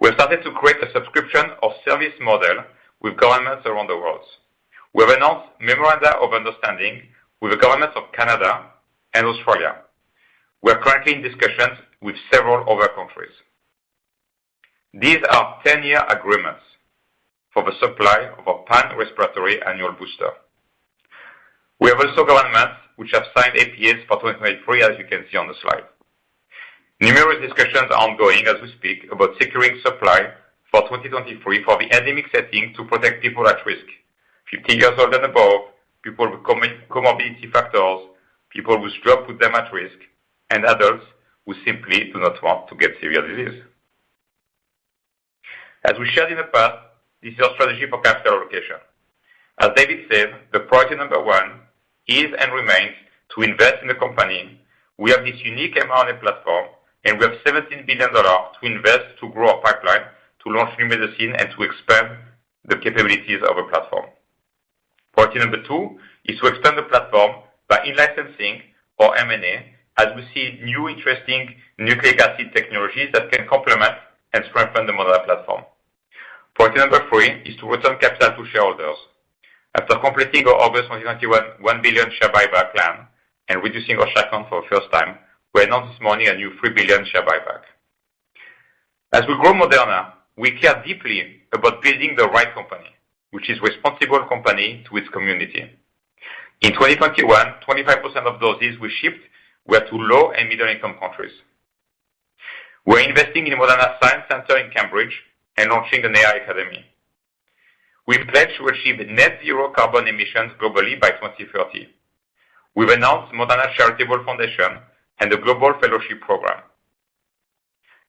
Speaker 3: We have started to create a subscription or service model with governments around the world. We have announced memoranda of understanding with the governments of Canada and Australia. In discussions with several other countries. These are 10-year agreements for the supply of our pan-respiratory annual booster. We have also governments which have signed APAs for 2023, as you can see on the slide. Numerous discussions are ongoing as we speak about securing supply for 2023 for the endemic setting to protect people at risk, 50 years old and above, people with comorbidity factors, people whose jobs put them at risk, and adults who simply do not want to get serious disease. As we shared in the past, this is our strategy for capital allocation. As David said, the priority number one is and remains to invest in the company. We have this unique mRNA platform, and we have $17 billion to invest to grow our pipeline, to launch new medicine, and to expand the capabilities of our platform. Priority number two is to extend the platform by in-licensing or M&A as we see new interesting nucleic acid technologies that can complement and strengthen the Moderna platform. Priority number three is to return capital to shareholders. After completing our August 2021 $1 billion share buyback plan and reducing our share count for the first time, we announced this morning a new $3 billion share buyback. As we grow Moderna, we care deeply about building the right company, which is a responsible company to its community. In 2021, 25% of doses we shipped were to low- and middle-income countries. We're investing in Moderna Science Center in Cambridge and launching an AI academy. We've pledged to achieve net zero carbon emissions globally by 2030. We've announced Moderna Charitable Foundation and the Global Fellowship Program,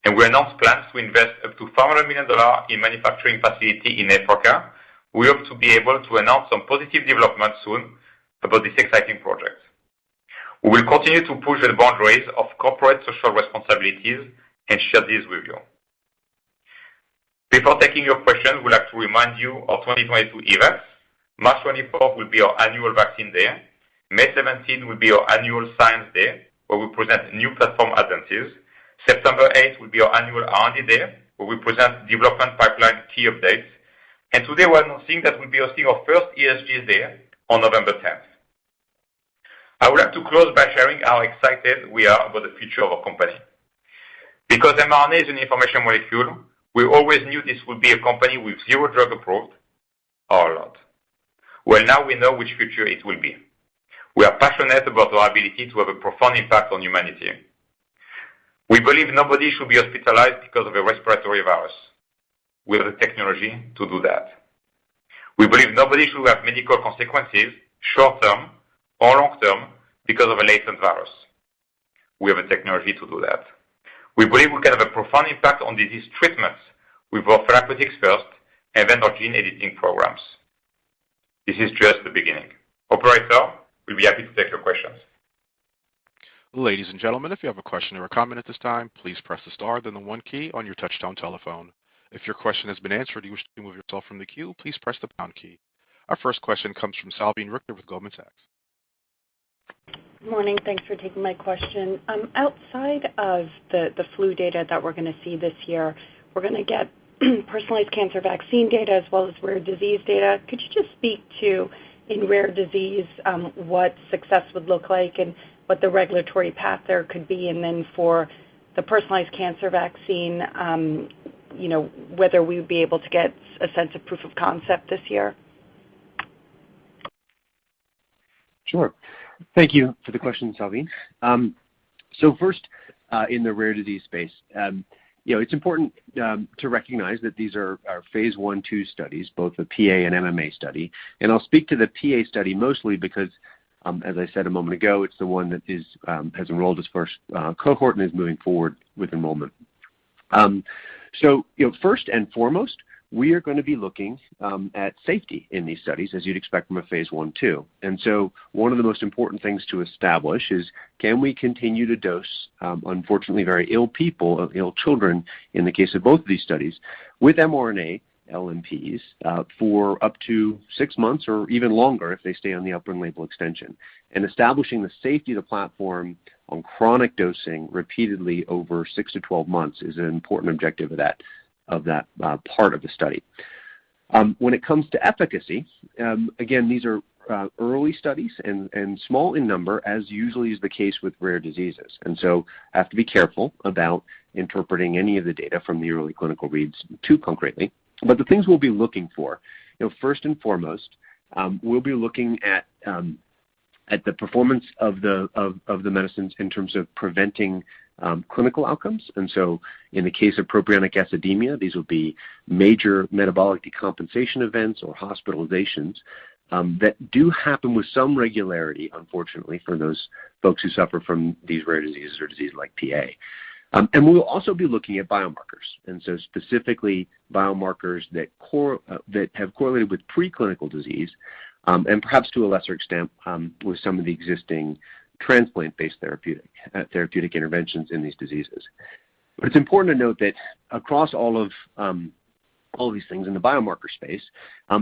Speaker 3: and we announced plans to invest up to $500 million in a manufacturing facility in Africa. We hope to be able to announce some positive developments soon about this exciting project. We will continue to push the boundaries of corporate social responsibilities and share these with you. Before taking your question, we'd like to remind you of our 2022 events. March 24th will be our Annual Vaccine Day. May 17th will be our Annual Science Day, where we present new platform advances. September 8th will be our Annual R&D Day, where we present development pipeline key updates. Today we're announcing that we will be hosting our first ESG Day on November 10th. I would like to close by sharing how excited we are about the future of our company. Because mRNA is an information molecule, we always knew this would be a company with zero drug approved or a lot. Well, now we know which future it will be. We are passionate about our ability to have a profound impact on humanity. We believe nobody should be hospitalized because of a respiratory virus. We have the technology to do that. We believe nobody should have medical consequences, short-term or long-term, because of a latent virus. We have a technology to do that. We believe we can have a profound impact on disease treatments with both therapeutics first and then our gene editing programs. This is just the beginning. Operator, we'll be happy to take your questions.
Speaker 1: Ladies and gentlemen, if you have a question or a comment at this time, please press the star, then the one key on your Touch-Tone telephone. If your question has been answered and you wish to remove yourself from the queue, please press the pound key. Our first question comes from Salveen Richter with Goldman Sachs.
Speaker 7: Morning. Thanks for taking my question. Outside of the flu data that we're gonna see this year, we're gonna get personalized cancer vaccine data as well as rare disease data. Could you just speak to, in rare disease, what success would look like and what the regulatory path there could be? For the personalized cancer vaccine, you know, whether we'd be able to get a sense of proof of concept this year?
Speaker 5: Sure. Thank you for the question, Salveen. First, in the rare disease space, you know, it's important to recognize that these are our phase I/II studies, both the PA and MMA study. I'll speak to the PA study mostly because, as I said a moment ago, it's the one that has enrolled its first cohort and is moving forward with enrollment. First and foremost, we are gonna be looking at safety in these studies, as you'd expect from a phase I/II. One of the most important things to establish is, can we continue to dose unfortunately very ill people, ill children, in the case of both of these studies, with mRNA LNPs for up to six months or even longer if they stay on the open label extension. Establishing the safety of the platform on chronic dosing repeatedly over six to 12 months is an important objective of that part of the study. When it comes to efficacy, again, these are early studies and small in number, as usually is the case with rare diseases. I have to be careful about interpreting any of the data from the early clinical reads too concretely. But the things we'll be looking for, you know, first and foremost, we'll be looking at the performance of the medicines in terms of preventing clinical outcomes. In the case of propionic acidemia, these will be major metabolic decompensation events or hospitalizations that do happen with some regularity, unfortunately, for those folks who suffer from these rare diseases or diseases like PA. We'll also be looking at biomarkers, and so specifically biomarkers that have correlated with preclinical disease, and perhaps to a lesser extent, with some of the existing transplant-based therapeutic interventions in these diseases. It's important to note that across all of these things in the biomarker space,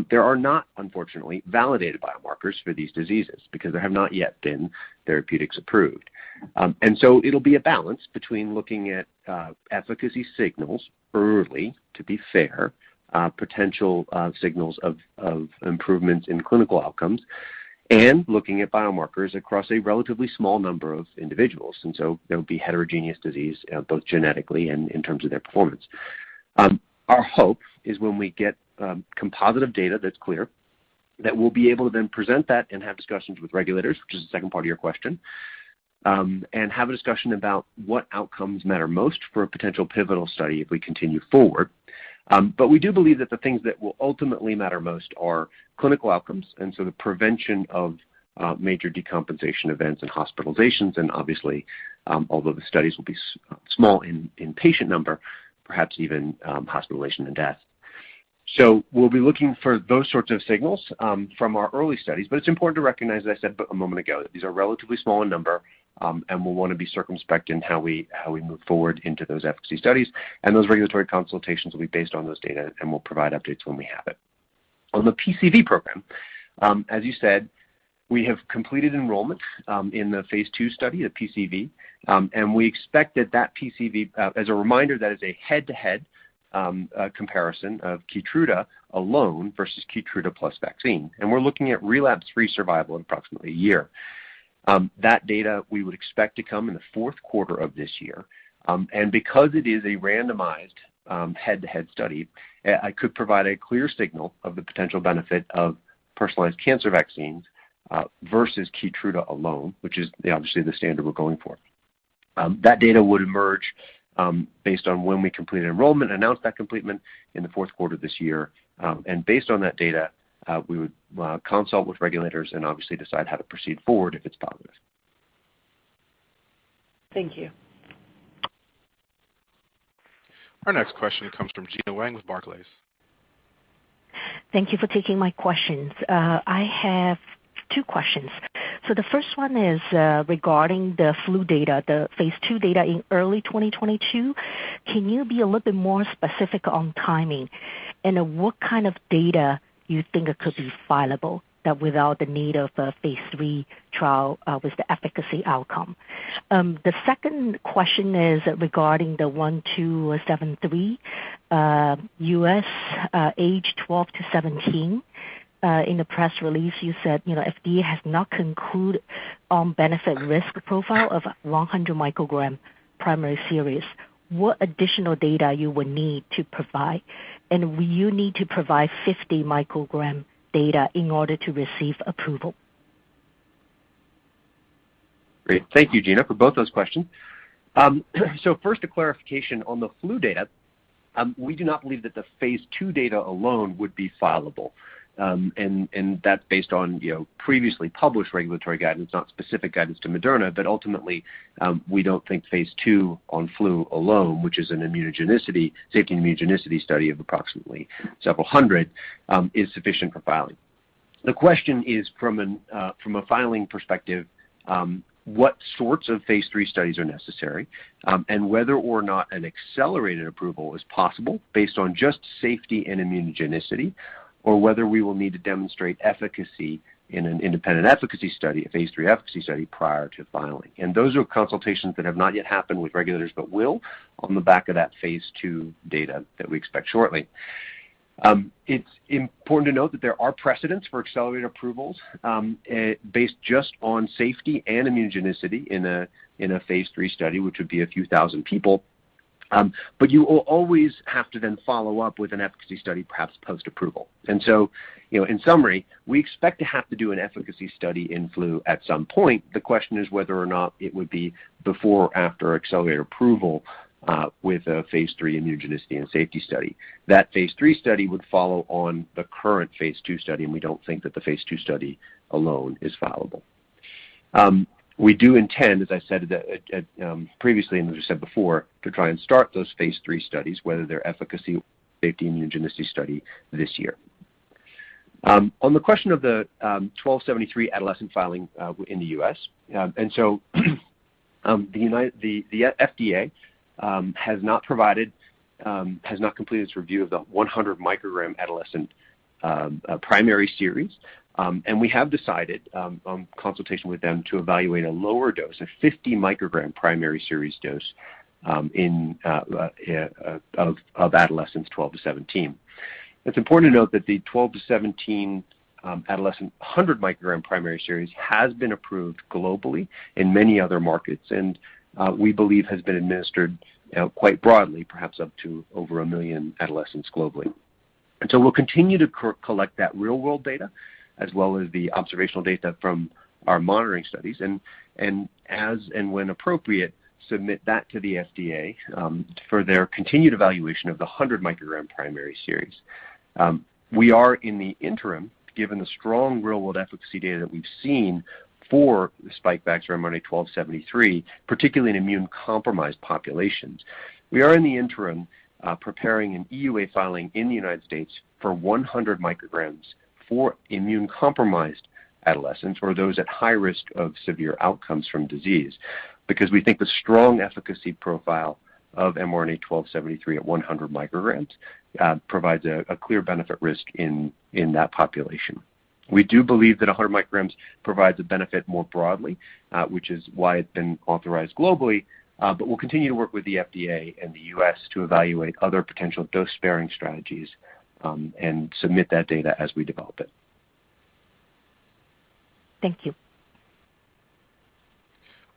Speaker 5: there are not, unfortunately, validated biomarkers for these diseases because there have not yet been therapeutics approved. It'll be a balance between looking at efficacy signals early, to be fair, potential signals of improvements in clinical outcomes. Looking at biomarkers across a relatively small number of individuals. There would be heterogeneous disease, both genetically and in terms of their performance. Our hope is when we get composite data that's clear, that we'll be able to then present that and have discussions with regulators, which is the second part of your question, and have a discussion about what outcomes matter most for a potential pivotal study if we continue forward. We do believe that the things that will ultimately matter most are clinical outcomes, and the prevention of major decompensation events and hospitalizations, and obviously, although the studies will be small in patient number, perhaps even hospitalization and death. We'll be looking for those sorts of signals from our early studies. It's important to recognize, as I said a moment ago, that these are relatively small in number, and we'll wanna be circumspect in how we move forward into those efficacy studies. Those regulatory consultations will be based on those data, and we'll provide updates when we have it. On the PCV program, as you said, we have completed enrollment in the phase II study at PCV. We expect that PCV, as a reminder, that is a head-to-head comparison of KEYTRUDA alone versus KEYTRUDA plus vaccine. We're looking at relapse-free survival approximately a year. That data we would expect to come in the fourth quarter of this year. Because it is a randomized, head-to-head study, I could provide a clear signal of the potential benefit of personalized cancer vaccines versus KEYTRUDA alone, which is obviously the standard we're going for. That data would emerge based on when we complete enrollment, announce that completion in the fourth quarter this year. Based on that data, we would consult with regulators and obviously decide how to proceed forward if it's positive.
Speaker 7: Thank you.
Speaker 1: Our next question comes from Gena Wang with Barclays.
Speaker 8: Thank you for taking my questions. I have two questions. The first one is regarding the flu data, the phase II data in early 2022. Can you be a little bit more specific on timing and what kind of data you think could be fileable that without the need of a phase III trial with the efficacy outcome? The second question is regarding the mRNA-1273, U.S., ages 12-17. In the press release, you said, you know, FDA has not concluded on benefit risk profile of 100 microgram primary series. What additional data you would need to provide, and will you need to provide 50 microgram data in order to receive approval?
Speaker 5: Great. Thank you, Gena, for both those questions. First, a clarification on the flu data. We do not believe that the phase II data alone would be fileable. That's based on, you know, previously published regulatory guidance, not specific guidance to Moderna, but ultimately, we don't think phase II on flu alone, which is an immunogenicity, safety and immunogenicity study of approximately several hundred, is sufficient for filing. The question is, from a filing perspective, what sorts of phase III studies are necessary, and whether or not an accelerated approval is possible based on just safety and immunogenicity, or whether we will need to demonstrate efficacy in an independent efficacy study, a phase III efficacy study, prior to filing. Those are consultations that have not yet happened with regulators, but will on the back of that phase II data that we expect shortly. It's important to note that there are precedents for accelerated approvals, based just on safety and immunogenicity in a phase III study, which would be a few thousand people. You will always have to then follow up with an efficacy study, perhaps post-approval. You know, in summary, we expect to have to do an efficacy study in flu at some point. The question is whether or not it would be before or after accelerated approval, with a phase III immunogenicity and safety study. That phase III study would follow on the current phase II study, and we don't think that the phase II study alone is fileable. We do intend, as I said at previously and as we said before, to try and start those phase III studies, whether they're efficacy, safety, immunogenicity study this year. On the question of the mRNA-1273 adolescent filing in the U.S., the FDA has not provided, has not completed its review of the 100 microgram adolescent primary series. We have decided, on consultation with them to evaluate a lower dose, a 50 microgram primary series dose, in adolescents 12-17. It's important to note that the 12-17 adolescent 100 microgram primary series has been approved globally in many other markets and we believe has been administered quite broadly, perhaps up to over 1 million adolescents globally. We'll continue to collect that real-world data as well as the observational data from our monitoring studies and as when appropriate, submit that to the FDA for their continued evaluation of the 100 microgram primary series. We are in the interim, given the strong real-world efficacy data that we've seen for the Spikevax mRNA-1273, particularly in immune-compromised populations. We are in the interim preparing an EUA filing in the United States for 100 micrograms for immune-compromised adolescents or those at high risk of severe outcomes from disease, because we think the strong efficacy profile of mRNA-1273 at 100 micrograms provides a clear benefit-risk in that population. We do believe that 100 micrograms provides a benefit more broadly, which is why it's been authorized globally, but we'll continue to work with the FDA and the U.S. to evaluate other potential dose-sparing strategies, and submit that data as we develop it.
Speaker 8: Thank you.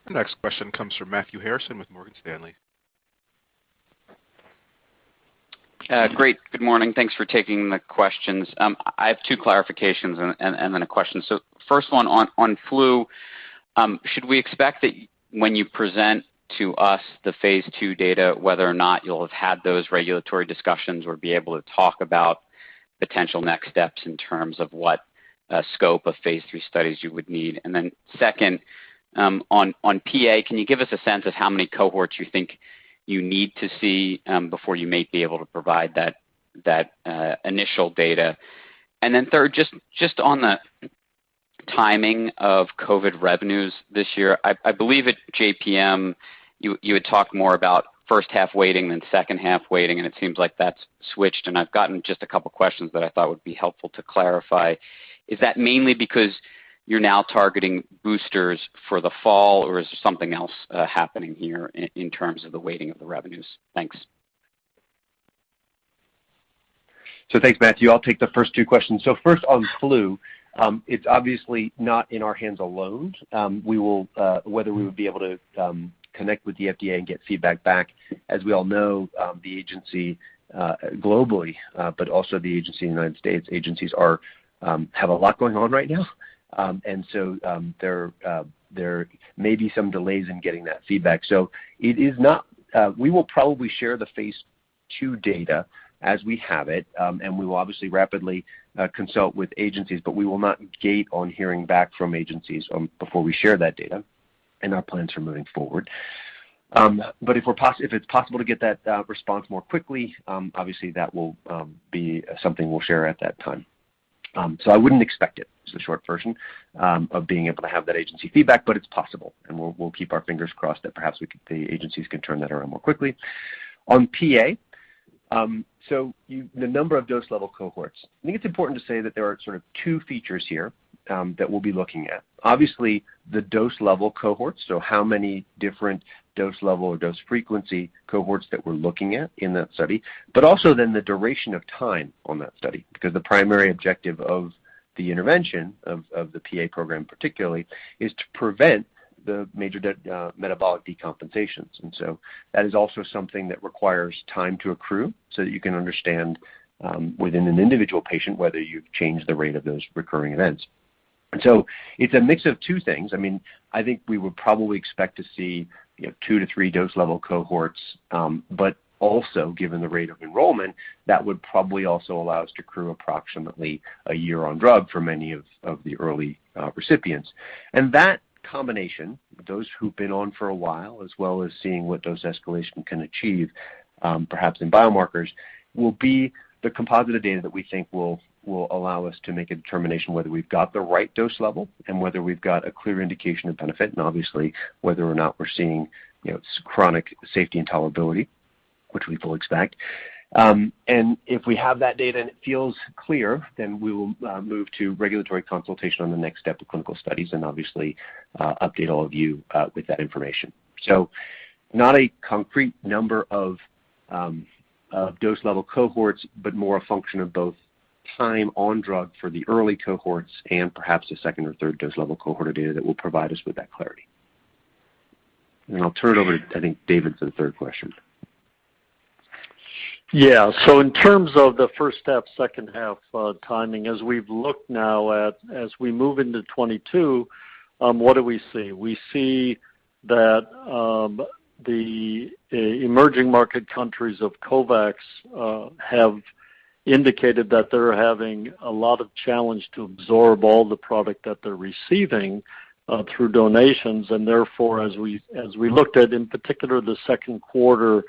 Speaker 1: The next question comes from Matthew Harrison with Morgan Stanley.
Speaker 9: Great. Good morning. Thanks for taking the questions. I have two clarifications and then a question. First one on flu, should we expect that when you present to us the phase II data, whether or not you'll have had those regulatory discussions or be able to talk about potential next steps in terms of what scope of phase III studies you would need? Second, on PA, can you give us a sense of how many cohorts you think you need to see before you may be able to provide that initial data? Third, just on the timing of COVID revenues this year. I believe at JPM, you had talked more about first half weighting than second half weighting, and it seems like that's switched, and I've gotten just a couple questions that I thought would be helpful to clarify. Is that mainly because you're now targeting boosters for the fall, or is there something else happening here in terms of the weighting of the revenues? Thanks.
Speaker 5: Thanks, Matthew. I'll take the first two questions. First on flu, it's obviously not in our hands alone. We'll see whether we would be able to connect with the FDA and get feedback back, as we all know, the agencies globally, but also the agency in the United States, have a lot going on right now. There may be some delays in getting that feedback. We will probably share the phase II data as we have it, and we will obviously rapidly consult with agencies, but we will not wait on hearing back from agencies before we share that data and our plans for moving forward. If it's possible to get that response more quickly, obviously that will be something we'll share at that time. I wouldn't expect it, is the short version of being able to have that agency feedback, but it's possible, and we'll keep our fingers crossed that perhaps the agencies can turn that around more quickly. On PA, the number of dose level cohorts. I think it's important to say that there are sort of two features here that we'll be looking at. Obviously, the dose level cohorts, so how many different dose level or dose frequency cohorts that we're looking at in that study, but also then the duration of time on that study, because the primary objective of the intervention of the PA program particularly is to prevent the major metabolic decompensations. That is also something that requires time to accrue so that you can understand within an individual patient, whether you've changed the rate of those recurring events. It's a mix of two things. I mean, I think we would probably expect to see, you know, two-three dose level cohorts, but also given the rate of enrollment, that would probably also allow us to accrue approximately a year on drug for many of the early recipients. That combination, those who've been on for a while, as well as seeing what dose escalation can achieve, perhaps in biomarkers, will be the composited data that we think will allow us to make a determination whether we've got the right dose level and whether we've got a clear indication of benefit and obviously whether or not we're seeing, you know, chronic safety and tolerability, which we fully expect. If we have that data and it feels clear, then we will move to regulatory consultation on the next step of clinical studies and obviously update all of you with that information. Not a concrete number of dose level cohorts, but more a function of both time on drug for the early cohorts and perhaps a second or third dose level cohort of data that will provide us with that clarity. I'll turn it over to, I think, David for the third question.
Speaker 6: Yeah. In terms of the first half, second half, timing, as we've looked now at as we move into 2022, what do we see? We see that the emerging market countries of COVAX have indicated that they're having a lot of challenge to absorb all the product that they're receiving through donations. And therefore, as we looked at, in particular, the second quarter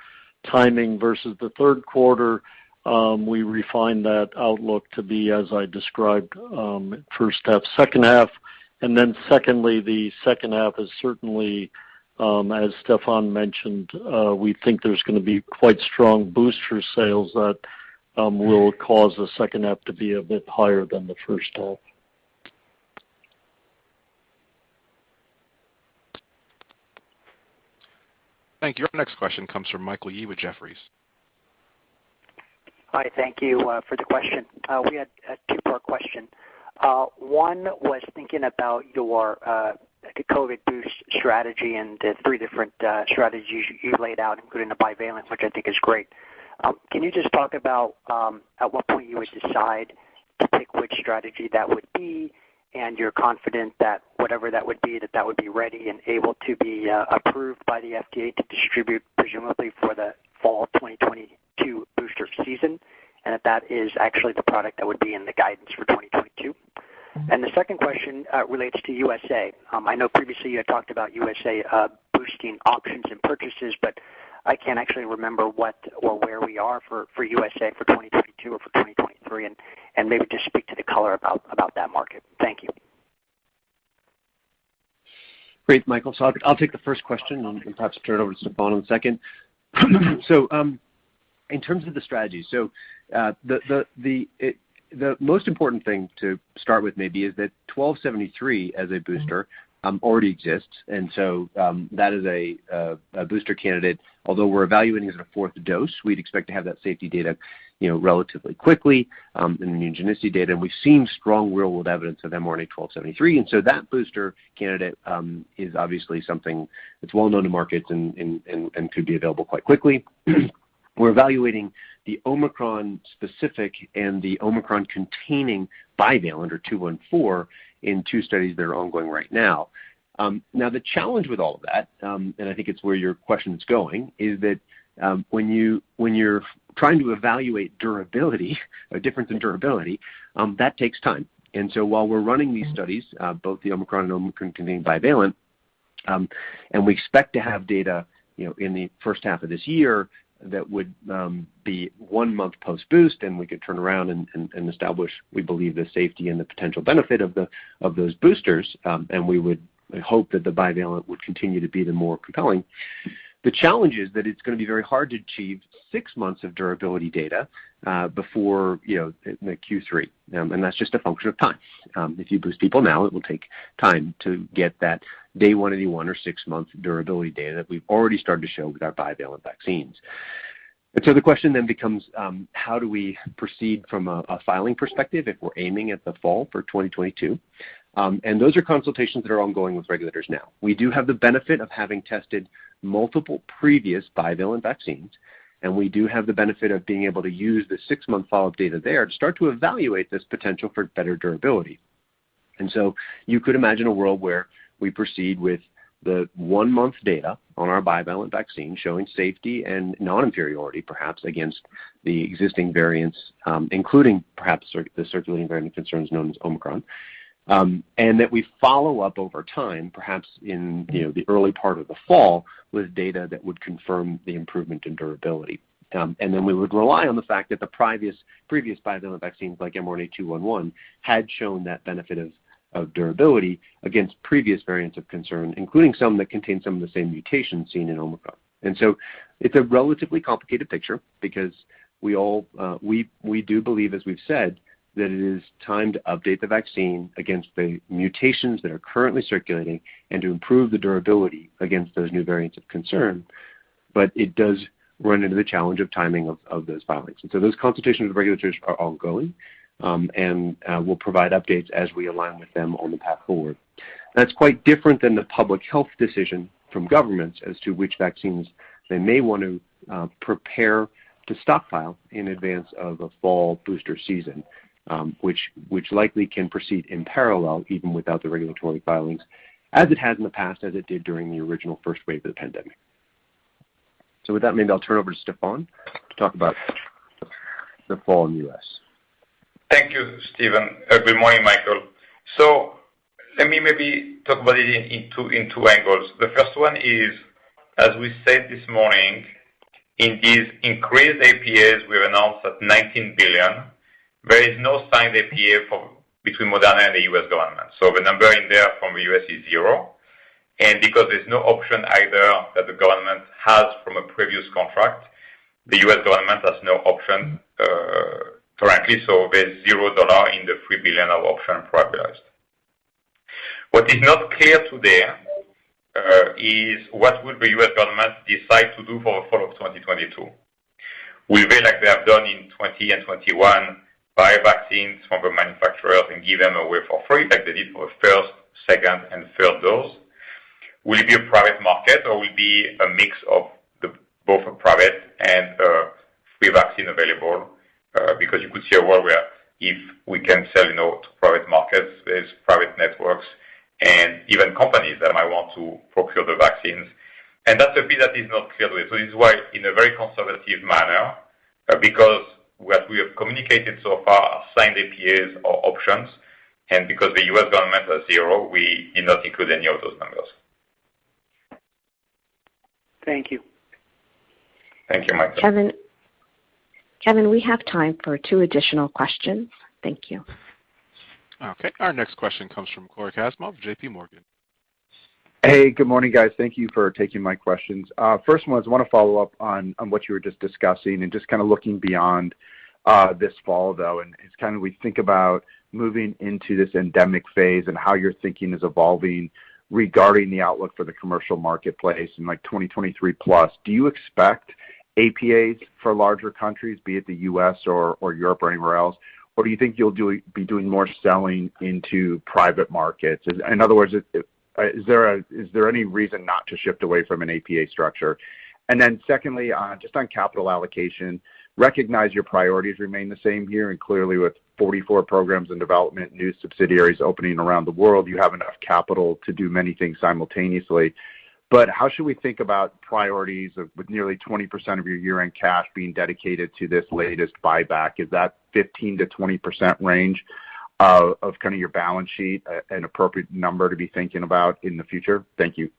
Speaker 6: timing versus the third quarter, we refined that outlook to be, as I described, first half, second half. And then secondly, the second half is certainly, as Stéphane mentioned, we think there's gonna be quite strong booster sales that will cause the second half to be a bit higher than the first half.
Speaker 1: Thank you. Our next question comes from Michael Yee with Jefferies.
Speaker 10: Hi, thank you for the question. We had a two-part question. One was thinking about your COVID boost strategy and the three different strategies you laid out, including the bivalent, which I think is great. Can you just talk about at what point you would decide to pick which strategy that would be, and you're confident that whatever that would be, that that would be ready and able to be approved by the FDA to distribute presumably for the fall 2022 booster season? If that is actually the product that would be in the guidance for 2022. The second question relates to U.S. I know previously you had talked about U.S. boosting options and purchases, but I can't actually remember what or where we are for U.S. for 2022 or for 2023, and maybe just speak to the color about that market. Thank you.
Speaker 5: Great, Michael. I'll take the first question and perhaps turn it over to Stéphane on the second. In terms of the strategy, the most important thing to start with maybe is that mRNA-1273 as a booster already exists. That is a booster candidate, although we're evaluating as a fourth dose, we'd expect to have that safety data, you know, relatively quickly, in the immunogenicity data. We've seen strong real-world evidence of mRNA-1273. That booster candidate is obviously something that's well known to markets and could be available quite quickly. We're evaluating the Omicron-specific and the Omicron-containing bivalent mRNA-1273.214 in two studies that are ongoing right now. Now the challenge with all of that, and I think it's where your question is going, is that, when you're trying to evaluate durability or difference in durability, that takes time. While we're running these studies, both the Omicron and Omicron-containing bivalent, and we expect to have data, you know, in the first half of this year, that would be one month post-boost, and we could turn around and establish, we believe, the safety and the potential benefit of those boosters. We would hope that the bivalent would continue to be the more compelling. The challenge is that it's gonna be very hard to achieve six months of durability data before, you know, the Q3. That's just a function of time. If you boost people now, it will take time to get that day one or six-month durability data that we've already started to show with our bivalent vaccines. The question then becomes how do we proceed from a filing perspective if we're aiming at the fall for 2022? Those are consultations that are ongoing with regulators now. We do have the benefit of having tested multiple previous bivalent vaccines, and we do have the benefit of being able to use the six-month follow-up data there to start to evaluate this potential for better durability. You could imagine a world where we proceed with the one-month data on our bivalent vaccine showing safety and non-inferiority, perhaps against the existing variants, including perhaps the circulating variant of concerns known as Omicron. That we follow up over time, perhaps in you know the early part of the fall, with data that would confirm the improvement in durability. Then we would rely on the fact that the previous bivalent vaccines like mRNA-1273.211 had shown that benefit of durability against previous variants of concern, including some that contain some of the same mutations seen in Omicron. It's a relatively complicated picture because we all we do believe, as we've said, that it is time to update the vaccine against the mutations that are currently circulating and to improve the durability against those new variants of concern. It does run into the challenge of timing of those filings. Those consultations with regulators are ongoing, and we'll provide updates as we align with them on the path forward. That's quite different than the public health decision from governments as to which vaccines they may want to prepare to stockpile in advance of a fall booster season, which likely can proceed in parallel even without the regulatory filings, as it has in the past, as it did during the original first wave of the pandemic. With that, maybe I'll turn over to Stéphane to talk about the fall in the U.S.
Speaker 3: Thank you, Stephen. Good morning, Michael. Let me maybe talk about it in two angles. The first one is, as we said this morning, in these increased APAs we announced at $19 billion, there is no signed APA between Moderna and the U.S. government. The number in there from the U.S. is zero. Because there's no option either that the government has from a previous contract, the U.S. government has no option currently, there's zero dollars in the $3 billion of option prioritized. What is not clear today is what will the U.S. government decide to do for fall of 2022. Will they, like they have done in 2020 and 2021, buy vaccines from the manufacturers and give them away for free like they did for first, second, and third dose? Will it be a private market or will it be a mix of the both private and free vaccine available? Because you could see a world where if we can sell, you know, to private markets, there's private networks and even companies that might want to procure the vaccines. That's a bit that is not clear to me. This is why in a very conservative manner, because what we have communicated so far are signed APAs or options, and because the U.S. government has zero, we did not include any of those numbers.
Speaker 10: Thank you.
Speaker 3: Thank you, Michael.
Speaker 2: Kevin, we have time for two additional questions. Thank you.
Speaker 1: Okay. Our next question comes from Cory Kasimov of J.P. Morgan.
Speaker 11: Hey, good morning, guys. Thank you for taking my questions. First one is I wanna follow up on what you were just discussing and just kinda looking beyond this fall, though. It's kinda we think about moving into this endemic phase and how your thinking is evolving regarding the outlook for the commercial marketplace in, like, 2023 plus. Do you expect APAs for larger countries, be it the U.S. or Europe or anywhere else? Or do you think you'll be doing more selling into private markets? In other words, is there any reason not to shift away from an APA structure? Then secondly, just on capital allocation, recognize your priorities remain the same here, and clearly with 44 programs in development, new subsidiaries opening around the world, you have enough capital to do many things simultaneously. How should we think about priorities with nearly 20% of your year-end cash being dedicated to this latest buyback? Is that 15%-20% range of kinda your balance sheet an appropriate number to be thinking about in the future? Thank you.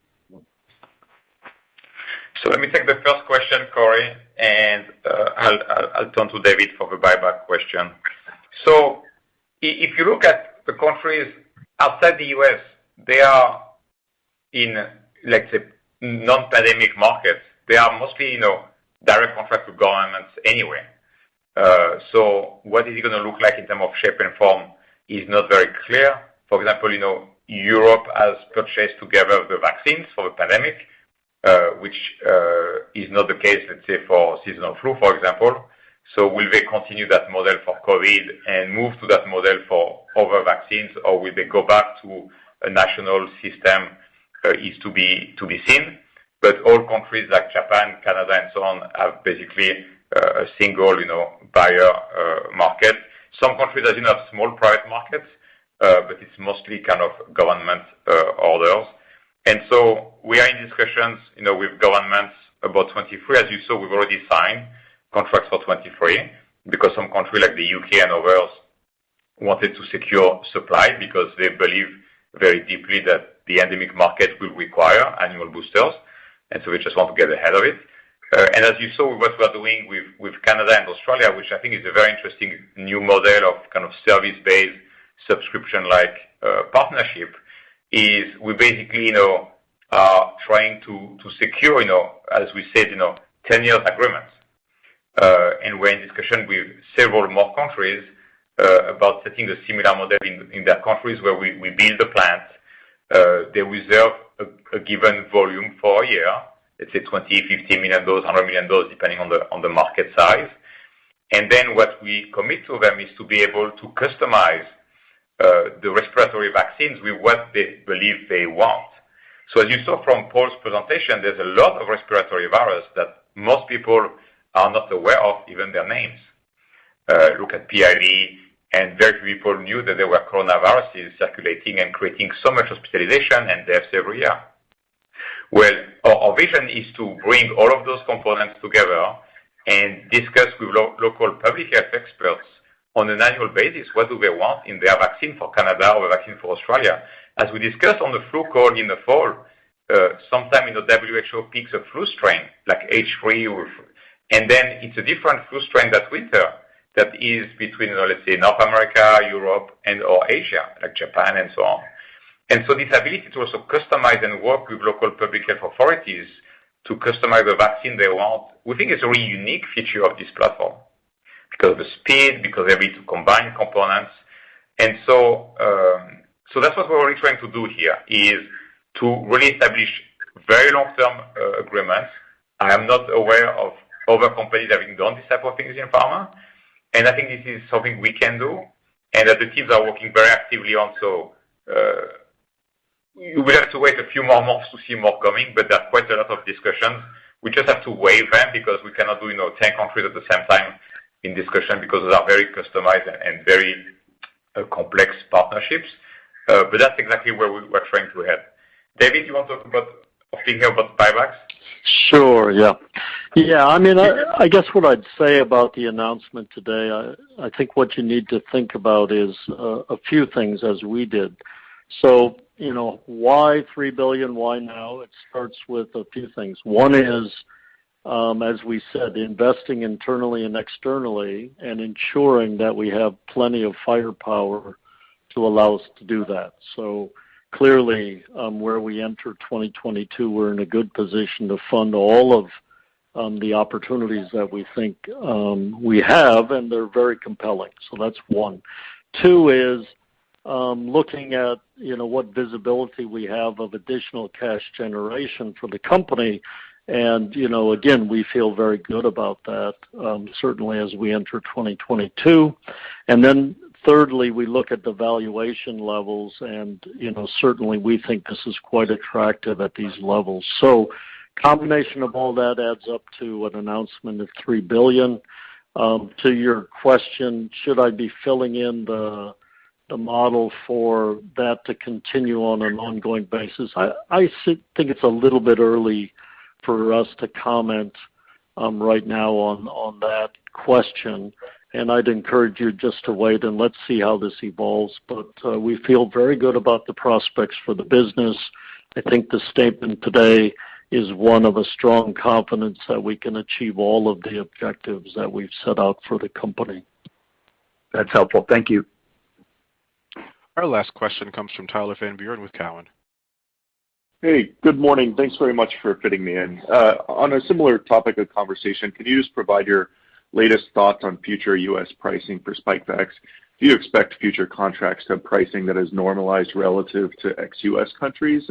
Speaker 3: Let me take the first question, Cory, and I'll turn to David for the buyback question. If you look at the countries outside the U.S., they are in, let's say, non-pandemic markets. They are mostly, you know, direct contract with governments anyway. What is it gonna look like in terms of shape and form is not very clear. For example, you know, Europe has purchased together the vaccines for the pandemic, which is not the case, let's say, for seasonal flu, for example. Will they continue that model for COVID and move to that model for other vaccines, or will they go back to a national system is to be seen. But all countries like Japan, Canada, and so on, have basically a single, you know, buyer market. Some countries even have small private markets, but it's mostly kind of government orders. We are in discussions, you know, with governments about 2023. As you saw, we've already signed contracts for 2023 because some countries like the U.K. and others wanted to secure supply because they believe very deeply that the endemic market will require annual boosters. We just want to get ahead of it. As you saw, what we are doing with Canada and Australia, which I think is a very interesting new model of kind of service-based subscription-like partnership, is we basically, you know, are trying to secure, you know, as we said, you know, 10-year agreements. We're in discussion with several more countries about setting a similar model in their countries where we build the plants. They reserve a given volume for a year, let's say 20, 50 million dose, 100 million dose, depending on the market size. What we commit to them is to be able to customize the respiratory vaccines with what they believe they want. As you saw from Paul's presentation, there's a lot of respiratory virus that most people are not aware of even their names. Look at PIV, and very few people knew that there were coronaviruses circulating and creating so much hospitalization and deaths every year. Our vision is to bring all of those components together and discuss with local public health experts on an annual basis what do they want in their vaccine for Canada or vaccine for Australia. As we discussed on the flu call in the fall, sometime in the WHO picks a flu strain like H3. Then it's a different flu strain that winter that is between, let's say, North America, Europe, and/or Asia, like Japan and so on. This ability to also customize and work with local public health authorities to customize the vaccine they want, we think it's a really unique feature of this platform because the speed, because the ability to combine components. That's what we're really trying to do here, is to really establish very long-term agreements. I am not aware of other companies having done this type of things in pharma. I think this is something we can do and that the teams are working very actively on. We have to wait a few more months to see more coming, but there are quite a lot of discussions. We just have to weigh them because we cannot do, you know, 10 countries at the same time in discussion because they are very customized and very complex partnerships. But that's exactly where we're trying to head. David, you wanna talk about something about buybacks?
Speaker 6: Sure. Yeah. Yeah. I mean, I guess what I'd say about the announcement today, I think what you need to think about is a few things as we did. You know, why $3 billion? Why now? It starts with a few things. One is, as we said, investing internally and externally and ensuring that we have plenty of firepower to allow us to do that. Clearly, where we enter 2022, we're in a good position to fund all of the opportunities that we think we have, and they're very compelling. That's one. Two is, looking at, you know, what visibility we have of additional cash generation for the company. You know, again, we feel very good about that, certainly as we enter 2022. Thirdly, we look at the valuation levels and, you know, certainly we think this is quite attractive at these levels. Combination of all that adds up to an announcement of $3 billion. To your question, should I be filling in the model for that to continue on an ongoing basis? I think it's a little bit early for us to comment right now on that question, and I'd encourage you just to wait and let's see how this evolves. We feel very good about the prospects for the business. I think the statement today is one of a strong confidence that we can achieve all of the objectives that we've set out for the company.
Speaker 11: That's helpful. Thank you.
Speaker 1: Our last question comes from Tyler Van Buren with Cowen.
Speaker 12: Hey, good morning. Thanks very much for fitting me in. On a similar topic of conversation, can you just provide your latest thoughts on future U.S. pricing for Spikevax? Do you expect future contracts to have pricing that is normalized relative to ex-U.S. countries?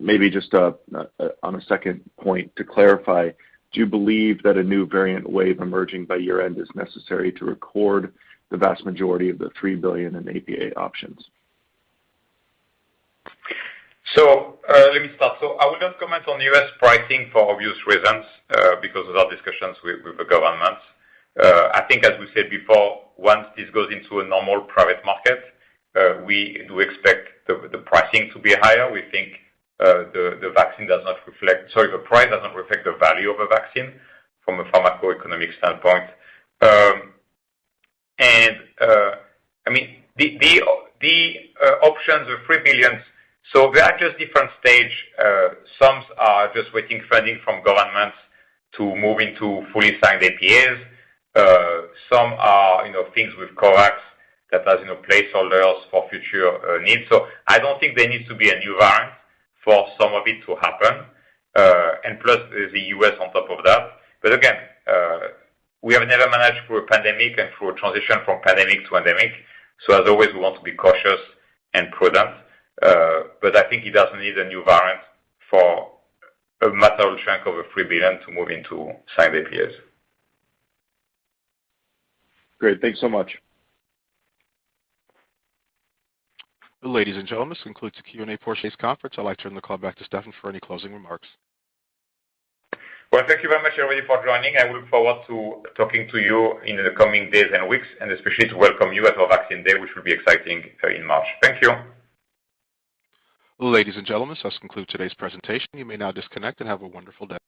Speaker 12: Maybe just, on a second point to clarify, do you believe that a new variant wave emerging by year-end is necessary to record the vast majority of the $3 billion in APA options?
Speaker 3: I will not comment on U.S. pricing for obvious reasons, because of our discussions with the government. I think as we said before, once this goes into a normal private market, we do expect the pricing to be higher. We think the price doesn't reflect the value of a vaccine from a pharmacoeconomic standpoint. I mean, the options of $3 billion, so they are just different stage. Some are just waiting funding from governments to move into fully signed APAs. Some are, you know, things with COVAX that has, you know, placeholders for future needs. I don't think there needs to be a new variant for some of it to happen. Plus the U.S. on top of that. Again, we have never managed through a pandemic and through a transition from pandemic to endemic. As always, we want to be cautious and prudent. I think it doesn't need a new variant for a material chunk of a $3 billion to move into signed APAs.
Speaker 12: Great. Thank you so much.
Speaker 1: Ladies and gentlemen, this concludes the Q&A portion of this conference. I'd like to turn the call back to Stéphane for any closing remarks.
Speaker 3: Well, thank you very much, everybody, for joining. I look forward to talking to you in the coming days and weeks, and especially to welcome you at our Vaccine Day, which will be exciting in March. Thank you.
Speaker 1: Ladies and gentlemen, this does conclude today's presentation. You may now disconnect and have a wonderful day.